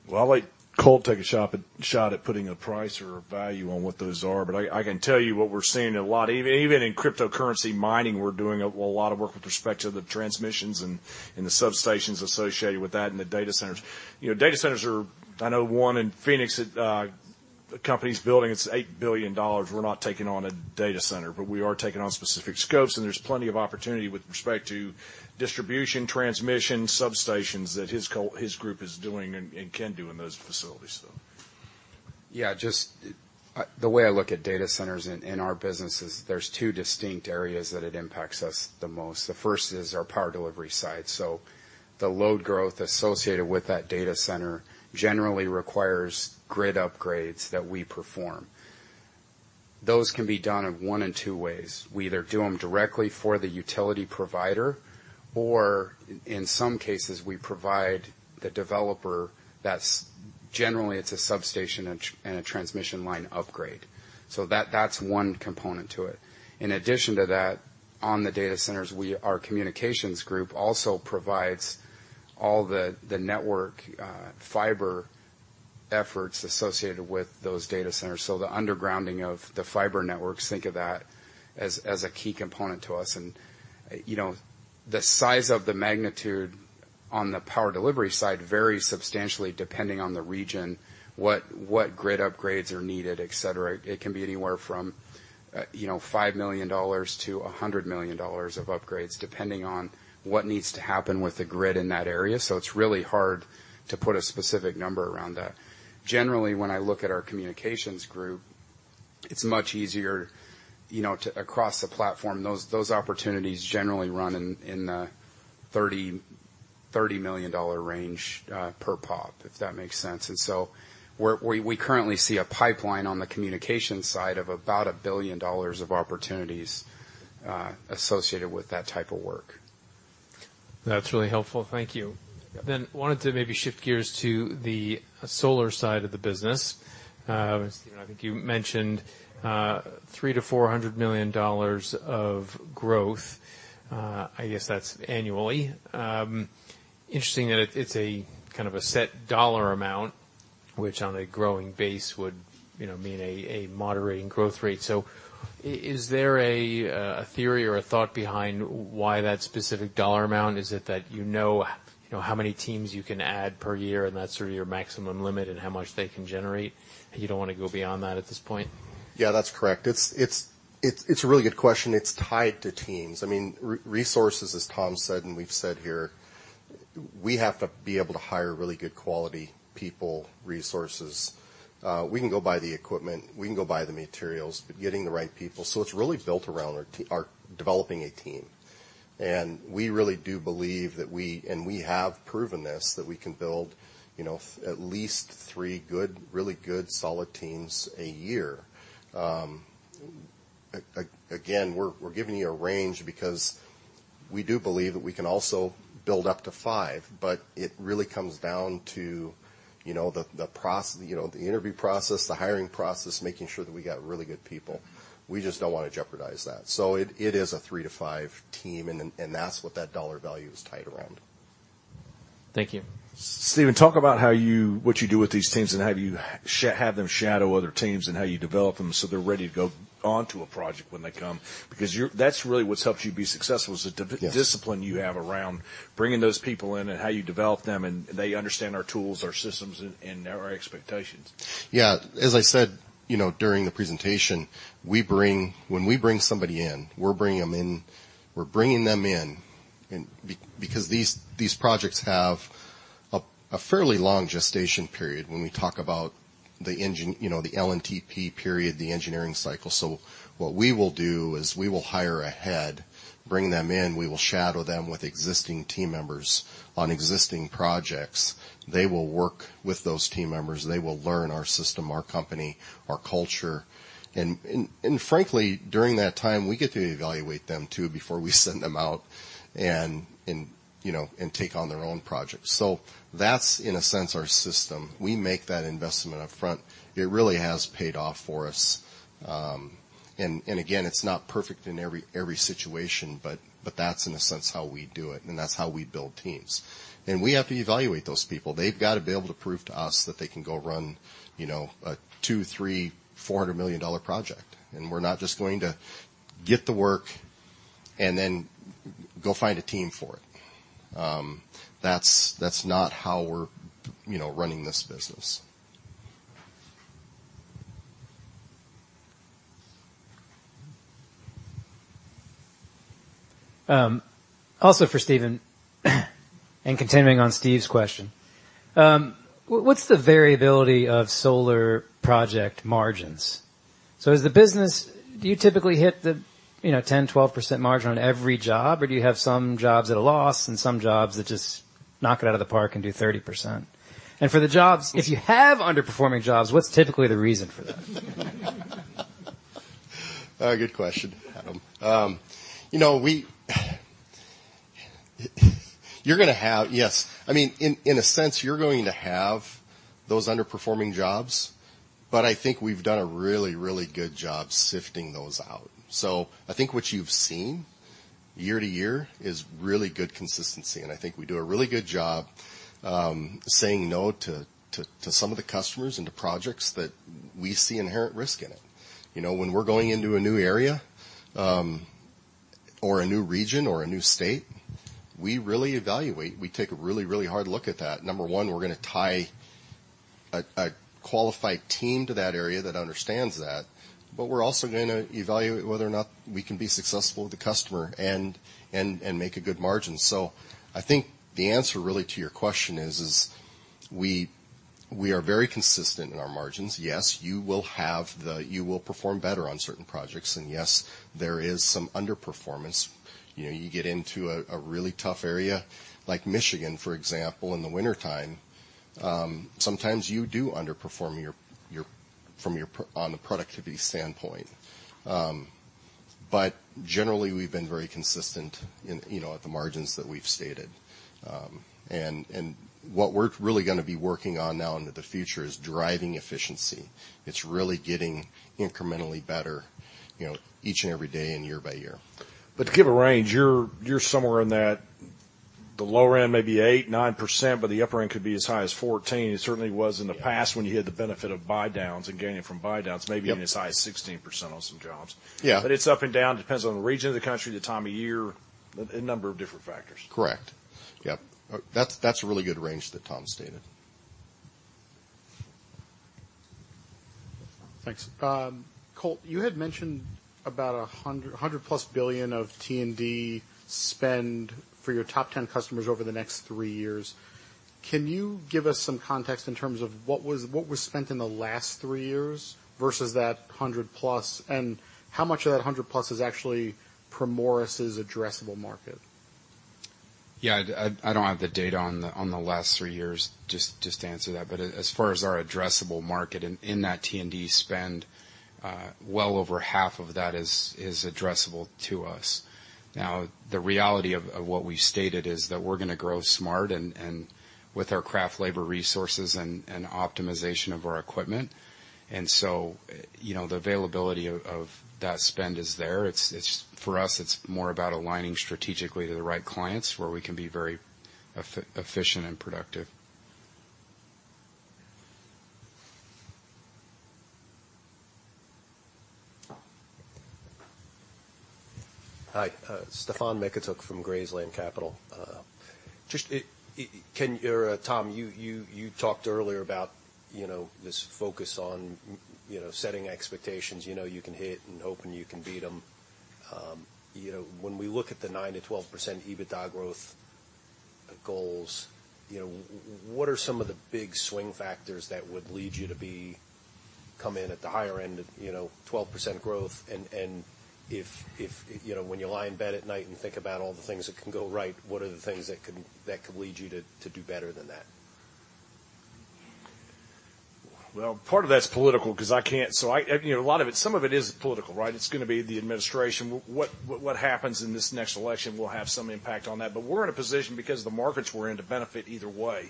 Well, I'd go ahead and take a shot at putting a price or a value on what those are. But I can tell you what we're seeing a lot. Even in cryptocurrency mining, we're doing a lot of work with respect to the transmissions and the substations associated with that and the data centers. Data centers are, I know, one in Phoenix that a company's building. It's $8 billion. We're not taking on a data center, but we are taking on specific scopes. And there's plenty of opportunity with respect to distribution, transmission, substations that his group is doing and can do in those facilities, so. Yeah, just the way I look at data centers in our businesses, there's two distinct areas that it impacts us the most. The first is our power delivery side. So the load growth associated with that data center generally requires grid upgrades that we perform. Those can be done in one and two ways. We either do them directly for the utility provider, or in some cases, we provide the developer. Generally, it's a substation and a transmission line upgrade. So that's one component to it. In addition to that, on the data centers, our Communications group also provides all the network fiber efforts associated with those data centers. So the undergrounding of the fiber networks, think of that as a key component to us. And the size of the magnitude on the power delivery side varies substantially depending on the region, what grid upgrades are needed, etc. It can be anywhere from $5 million-$100 million of upgrades depending on what needs to happen with the grid in that area. So it's really hard to put a specific number around that. Generally, when I look at our Communications group, it's much easier across the platform. Those opportunities generally run in the $30 million range per pop, if that makes sense. And so we currently see a pipeline on the communications side of about $1 billion of opportunities associated with that type of work. That's really helpful. Thank you. Then wanted to maybe shift gears to the solar side of the business. Stephen, I think you mentioned $300 million-$400 million of growth. I guess that's annually. Interesting that it's kind of a set dollar amount, which on a growing base would mean a moderating growth rate. So is there a theory or a thought behind why that specific dollar amount? Is it that you know how many teams you can add per year, and that's sort of your maximum limit and how much they can generate? You don't want to go beyond that at this point? Yeah, that's correct. It's a really good question. It's tied to teams. I mean, resources, as Tom said and we've said here, we have to be able to hire really good quality people, resources. We can go buy the equipment. We can go buy the materials, but getting the right people so it's really built around our developing a team. And we really do believe that we and we have proven this that we can build at least three really good, solid teams a year. Again, we're giving you a range because we do believe that we can also build up to five, but it really comes down to the interview process, the hiring process, making sure that we got really good people. We just don't want to jeopardize that. So it is a three to five team, and that's what that dollar value is tied around. Thank you. Stephen, talk about what you do with these teams and how you have them shadow other teams and how you develop them so they're ready to go onto a project when they come. Because that's really what's helped you be successful is the discipline you have around bringing those people in and how you develop them, and they understand our tools, our systems, and our expectations. Yeah. As I said during the presentation, when we bring somebody in, we're bringing them in. We're bringing them in because these projects have a fairly long gestation period when we talk about the LNTP period, the engineering cycle. So what we will do is we will hire ahead, bring them in. We will shadow them with existing team members on existing projects. They will work with those team members. They will learn our system, our company, our culture. And frankly, during that time, we get to evaluate them too before we send them out and take on their own projects. So that's, in a sense, our system. We make that investment upfront. It really has paid off for us. And again, it's not perfect in every situation, but that's, in a sense, how we do it, and that's how we build teams. And we have to evaluate those people. They've got to be able to prove to us that they can go run a $2 million, $3 million, $400 million project. We're not just going to get the work and then go find a team for it. That's not how we're running this business. Also for Stephen and continuing on Steve's question, what's the variability of solar project margins? So do you typically hit the 10%-12% margin on every job, or do you have some jobs at a loss and some jobs that just knock it out of the park and do 30%? And for the jobs, if you have underperforming jobs, what's typically the reason for that? Good question, Adam. You're going to have yes. I mean, in a sense, you're going to have those underperforming jobs, but I think we've done a really, really good job sifting those out. So I think what you've seen year to year is really good consistency. And I think we do a really good job saying no to some of the customers and to projects that we see inherent risk in it. When we're going into a new area or a new region or a new state, we really evaluate. We take a really, really hard look at that. Number one, we're going to tie a qualified team to that area that understands that. But we're also going to evaluate whether or not we can be successful with the customer and make a good margin. So, I think the answer really to your question is we are very consistent in our margins. Yes, you will perform better on certain projects. And yes, there is some underperformance. You get into a really tough area like Michigan, for example, in the wintertime. Sometimes you do underperform on the productivity standpoint. But generally, we've been very consistent at the margins that we've stated. And what we're really going to be working on now into the future is driving efficiency. It's really getting incrementally better each and every day and year by year. But to give a range, you're somewhere in that the lower end may be 8%-9%, but the upper end could be as high as 14%. It certainly was in the past when you had the benefit of buy-downs and gaining from buy-downs, maybe even as high as 16% on some jobs. But it's up and down. It depends on the region of the country, the time of year, a number of different factors. Correct. Yep. That's a really good range that Tom stated. Thanks. Colt, you had mentioned about $100+ billion of T&D spend for your top 10 customers over the next three years. Can you give us some context in terms of what was spent in the last three years versus that $100+? And how much of that $100+ is actually Primoris's addressable market? Yeah, I don't have the data on the last three years just to answer that. But as far as our addressable market in that T&D spend, well over half of that is addressable to us. Now, the reality of what we've stated is that we're going to grow smart with our craft labor resources and optimization of our equipment. And so the availability of that spend is there. For us, it's more about aligning strategically to the right clients where we can be very efficient and productive. Hi. Stefan Mykytiuk from Graslyn Capital. Tom, you talked earlier about this focus on setting expectations. You know you can hit and hoping you can beat them. When we look at the 9%-12% EBITDA growth goals, what are some of the big swing factors that would lead you to come in at the higher end of 12% growth? And when you lie in bed at night and think about all the things that can go right, what are the things that could lead you to do better than that? Well, part of that's political because I can't say a lot of it, some of it is political, right? It's going to be the administration. What happens in this next election will have some impact on that. But we're in a position because the markets we're in to benefit either way.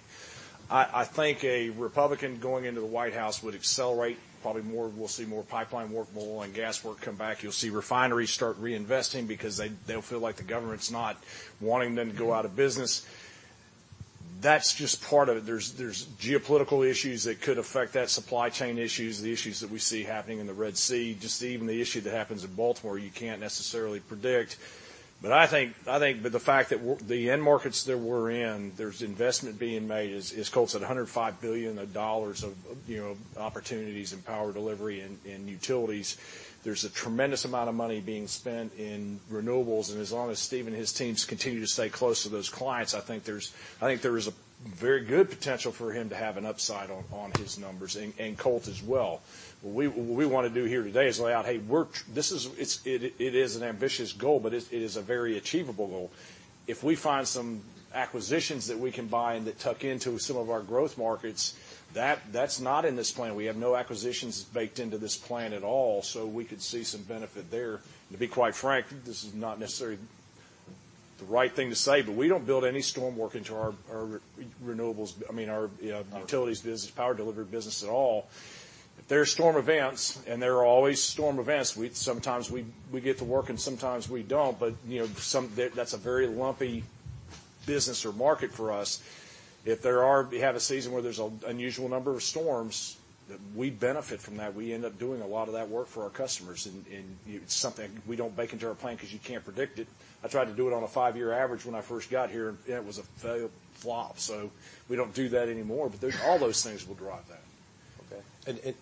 I think a Republican going into the White House would accelerate probably more. We'll see more pipeline work, more oil and gas work come back. You'll see refineries start reinvesting because they'll feel like the government's not wanting them to go out of business. That's just part of it. There's geopolitical issues that could affect that, supply chain issues, the issues that we see happening in the Red Sea, just even the issue that happens in Baltimore, you can't necessarily predict. But I think the fact that the end markets that we're in, there's investment being made. As Colt said, $105 billion of opportunities in power delivery and utilities. There's a tremendous amount of money being spent in renewables. And as long as Steve and his teams continue to stay close to those clients, I think there is a very good potential for him to have an upside on his numbers and Colt as well. What we want to do here today is lay out, "Hey, it is an ambitious goal, but it is a very achievable goal." If we find some acquisitions that we can buy and that tuck into some of our growth markets, that's not in this plan. We have no acquisitions baked into this plan at all. So we could see some benefit there. To be quite frank, this is not necessarily the right thing to say, but we don't build any storm work into our renewables, I mean, our utilities business, power delivery business at all. If there are storm events and there are always storm events, sometimes we get to work and sometimes we don't. But that's a very lumpy business or market for us. If we have a season where there's an unusual number of storms, we benefit from that. We end up doing a lot of that work for our customers. And it's something we don't bake into our plan because you can't predict it. I tried to do it on a five-year average when I first got here, and it was a failure flop. So we don't do that anymore. But all those things will drive that. Okay.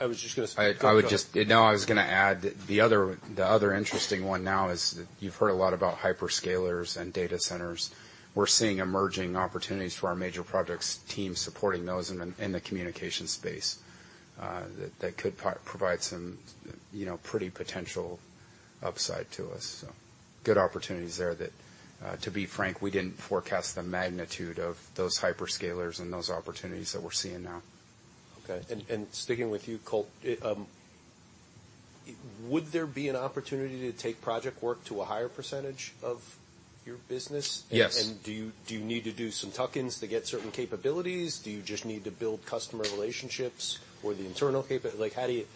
I was just going to say. I would just, no, I was going to add the other interesting one, now, is that you've heard a lot about hyperscalers and data centers. We're seeing emerging opportunities for our major projects team supporting those in the communication space that could provide some pretty potential upside to us. So good opportunities there that, to be frank, we didn't forecast the magnitude of those hyperscalers and those opportunities that we're seeing now. Okay. Sticking with you, Colt, would there be an opportunity to take project work to a higher percentage of your business? Yes. Do you need to do some tuck-ins to get certain capabilities? Do you just need to build customer relationships or the internal capability?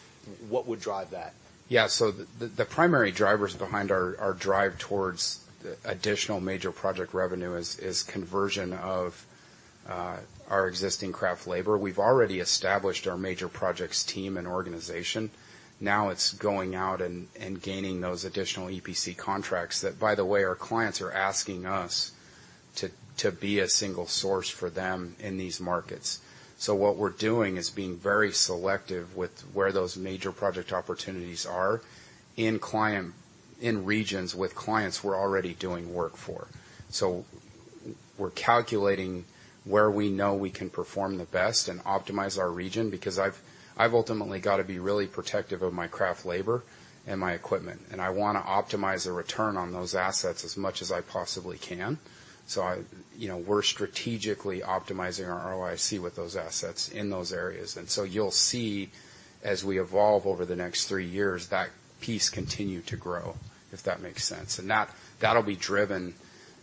What would drive that? Yeah. So the primary drivers behind our drive towards additional major project revenue is conversion of our existing craft labor. We've already established our major projects team and organization. Now it's going out and gaining those additional EPC contracts that, by the way, our clients are asking us to be a single source for them in these markets. So what we're doing is being very selective with where those major project opportunities are in regions with clients we're already doing work for. So we're calculating where we know we can perform the best and optimize our region because I've ultimately got to be really protective of my craft labor and my equipment. And I want to optimize the return on those assets as much as I possibly can. So we're strategically optimizing our ROIC with those assets in those areas. So you'll see, as we evolve over the next three years, that piece continue to grow, if that makes sense. That'll be driven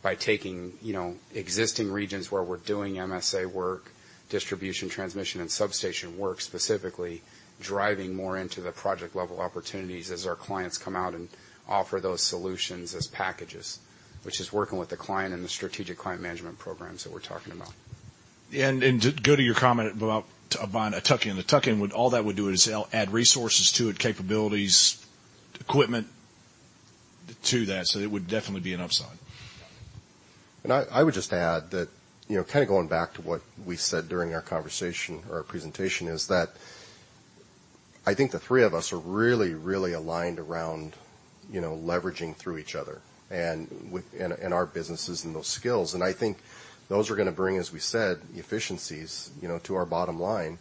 by taking existing regions where we're doing MSA work, distribution, transmission, and substation work specifically, driving more into the project-level opportunities as our clients come out and offer those solutions as packages, which is working with the client and the strategic client management programs that we're talking about. Go to your comment about a tuck-in. The tuck-in, all that would do is add resources to it, capabilities, equipment to that. So it would definitely be an upside. I would just add that kind of going back to what we said during our conversation or our presentation is that I think the three of us are really, really aligned around leveraging through each other and our businesses and those skills. I think those are going to bring, as we said, efficiencies to our bottom line.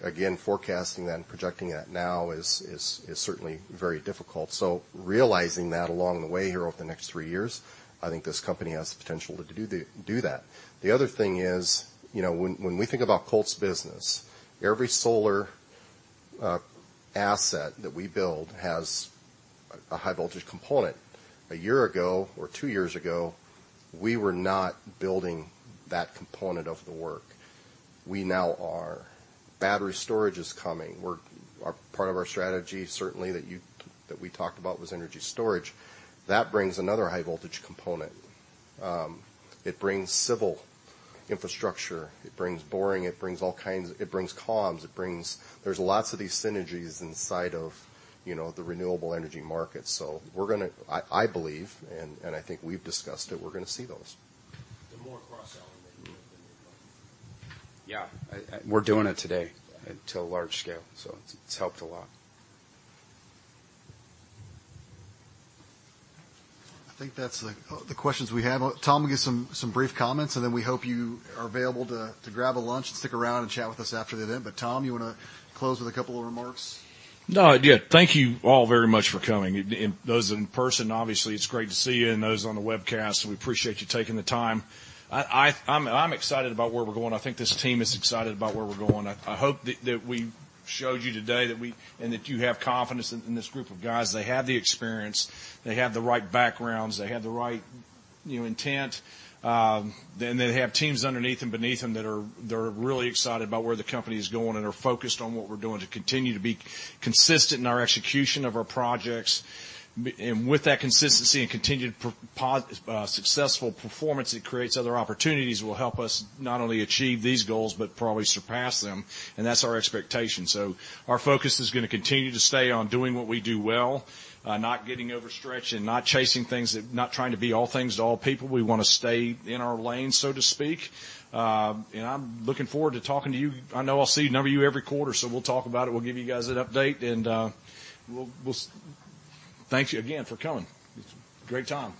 Again, forecasting that and projecting that now is certainly very difficult. Realizing that along the way here over the next three years, I think this company has the potential to do that. The other thing is when we think about Colt's business, every solar asset that we build has a high-voltage component. A year ago or two years ago, we were not building that component of the work. We now are. Battery storage is coming. Part of our strategy, certainly, that we talked about was energy storage. That brings another high-voltage component. It brings civil infrastructure. It brings boring. It brings all kinds. It brings comms. There's lots of these synergies inside of the renewable energy market. So I believe, and I think we've discussed it, we're going to see those. The more cross-selling they do at the new market. Yeah. We're doing it today to a large scale. So it's helped a lot. I think that's the questions we have. Tom, we'll give some brief comments, and then we hope you are available to grab a lunch and stick around and chat with us after the event. But Tom, you want to close with a couple of remarks? No, yeah. Thank you all very much for coming. Those in person, obviously, it's great to see you, and those on the webcast. We appreciate you taking the time. I'm excited about where we're going. I think this team is excited about where we're going. I hope that we showed you today and that you have confidence in this group of guys. They have the experience. They have the right backgrounds. They have the right intent. And they have teams underneath and beneath them that are really excited about where the company is going and are focused on what we're doing to continue to be consistent in our execution of our projects. And with that consistency and continued successful performance, it creates other opportunities that will help us not only achieve these goals but probably surpass them. And that's our expectation. So our focus is going to continue to stay on doing what we do well, not getting overstretched, and not chasing things that not trying to be all things to all people. We want to stay in our lanes, so to speak. And I'm looking forward to talking to you. I know I'll see a number of you every quarter, so we'll talk about it. We'll give you guys an update. And thank you again for coming. It's a great time.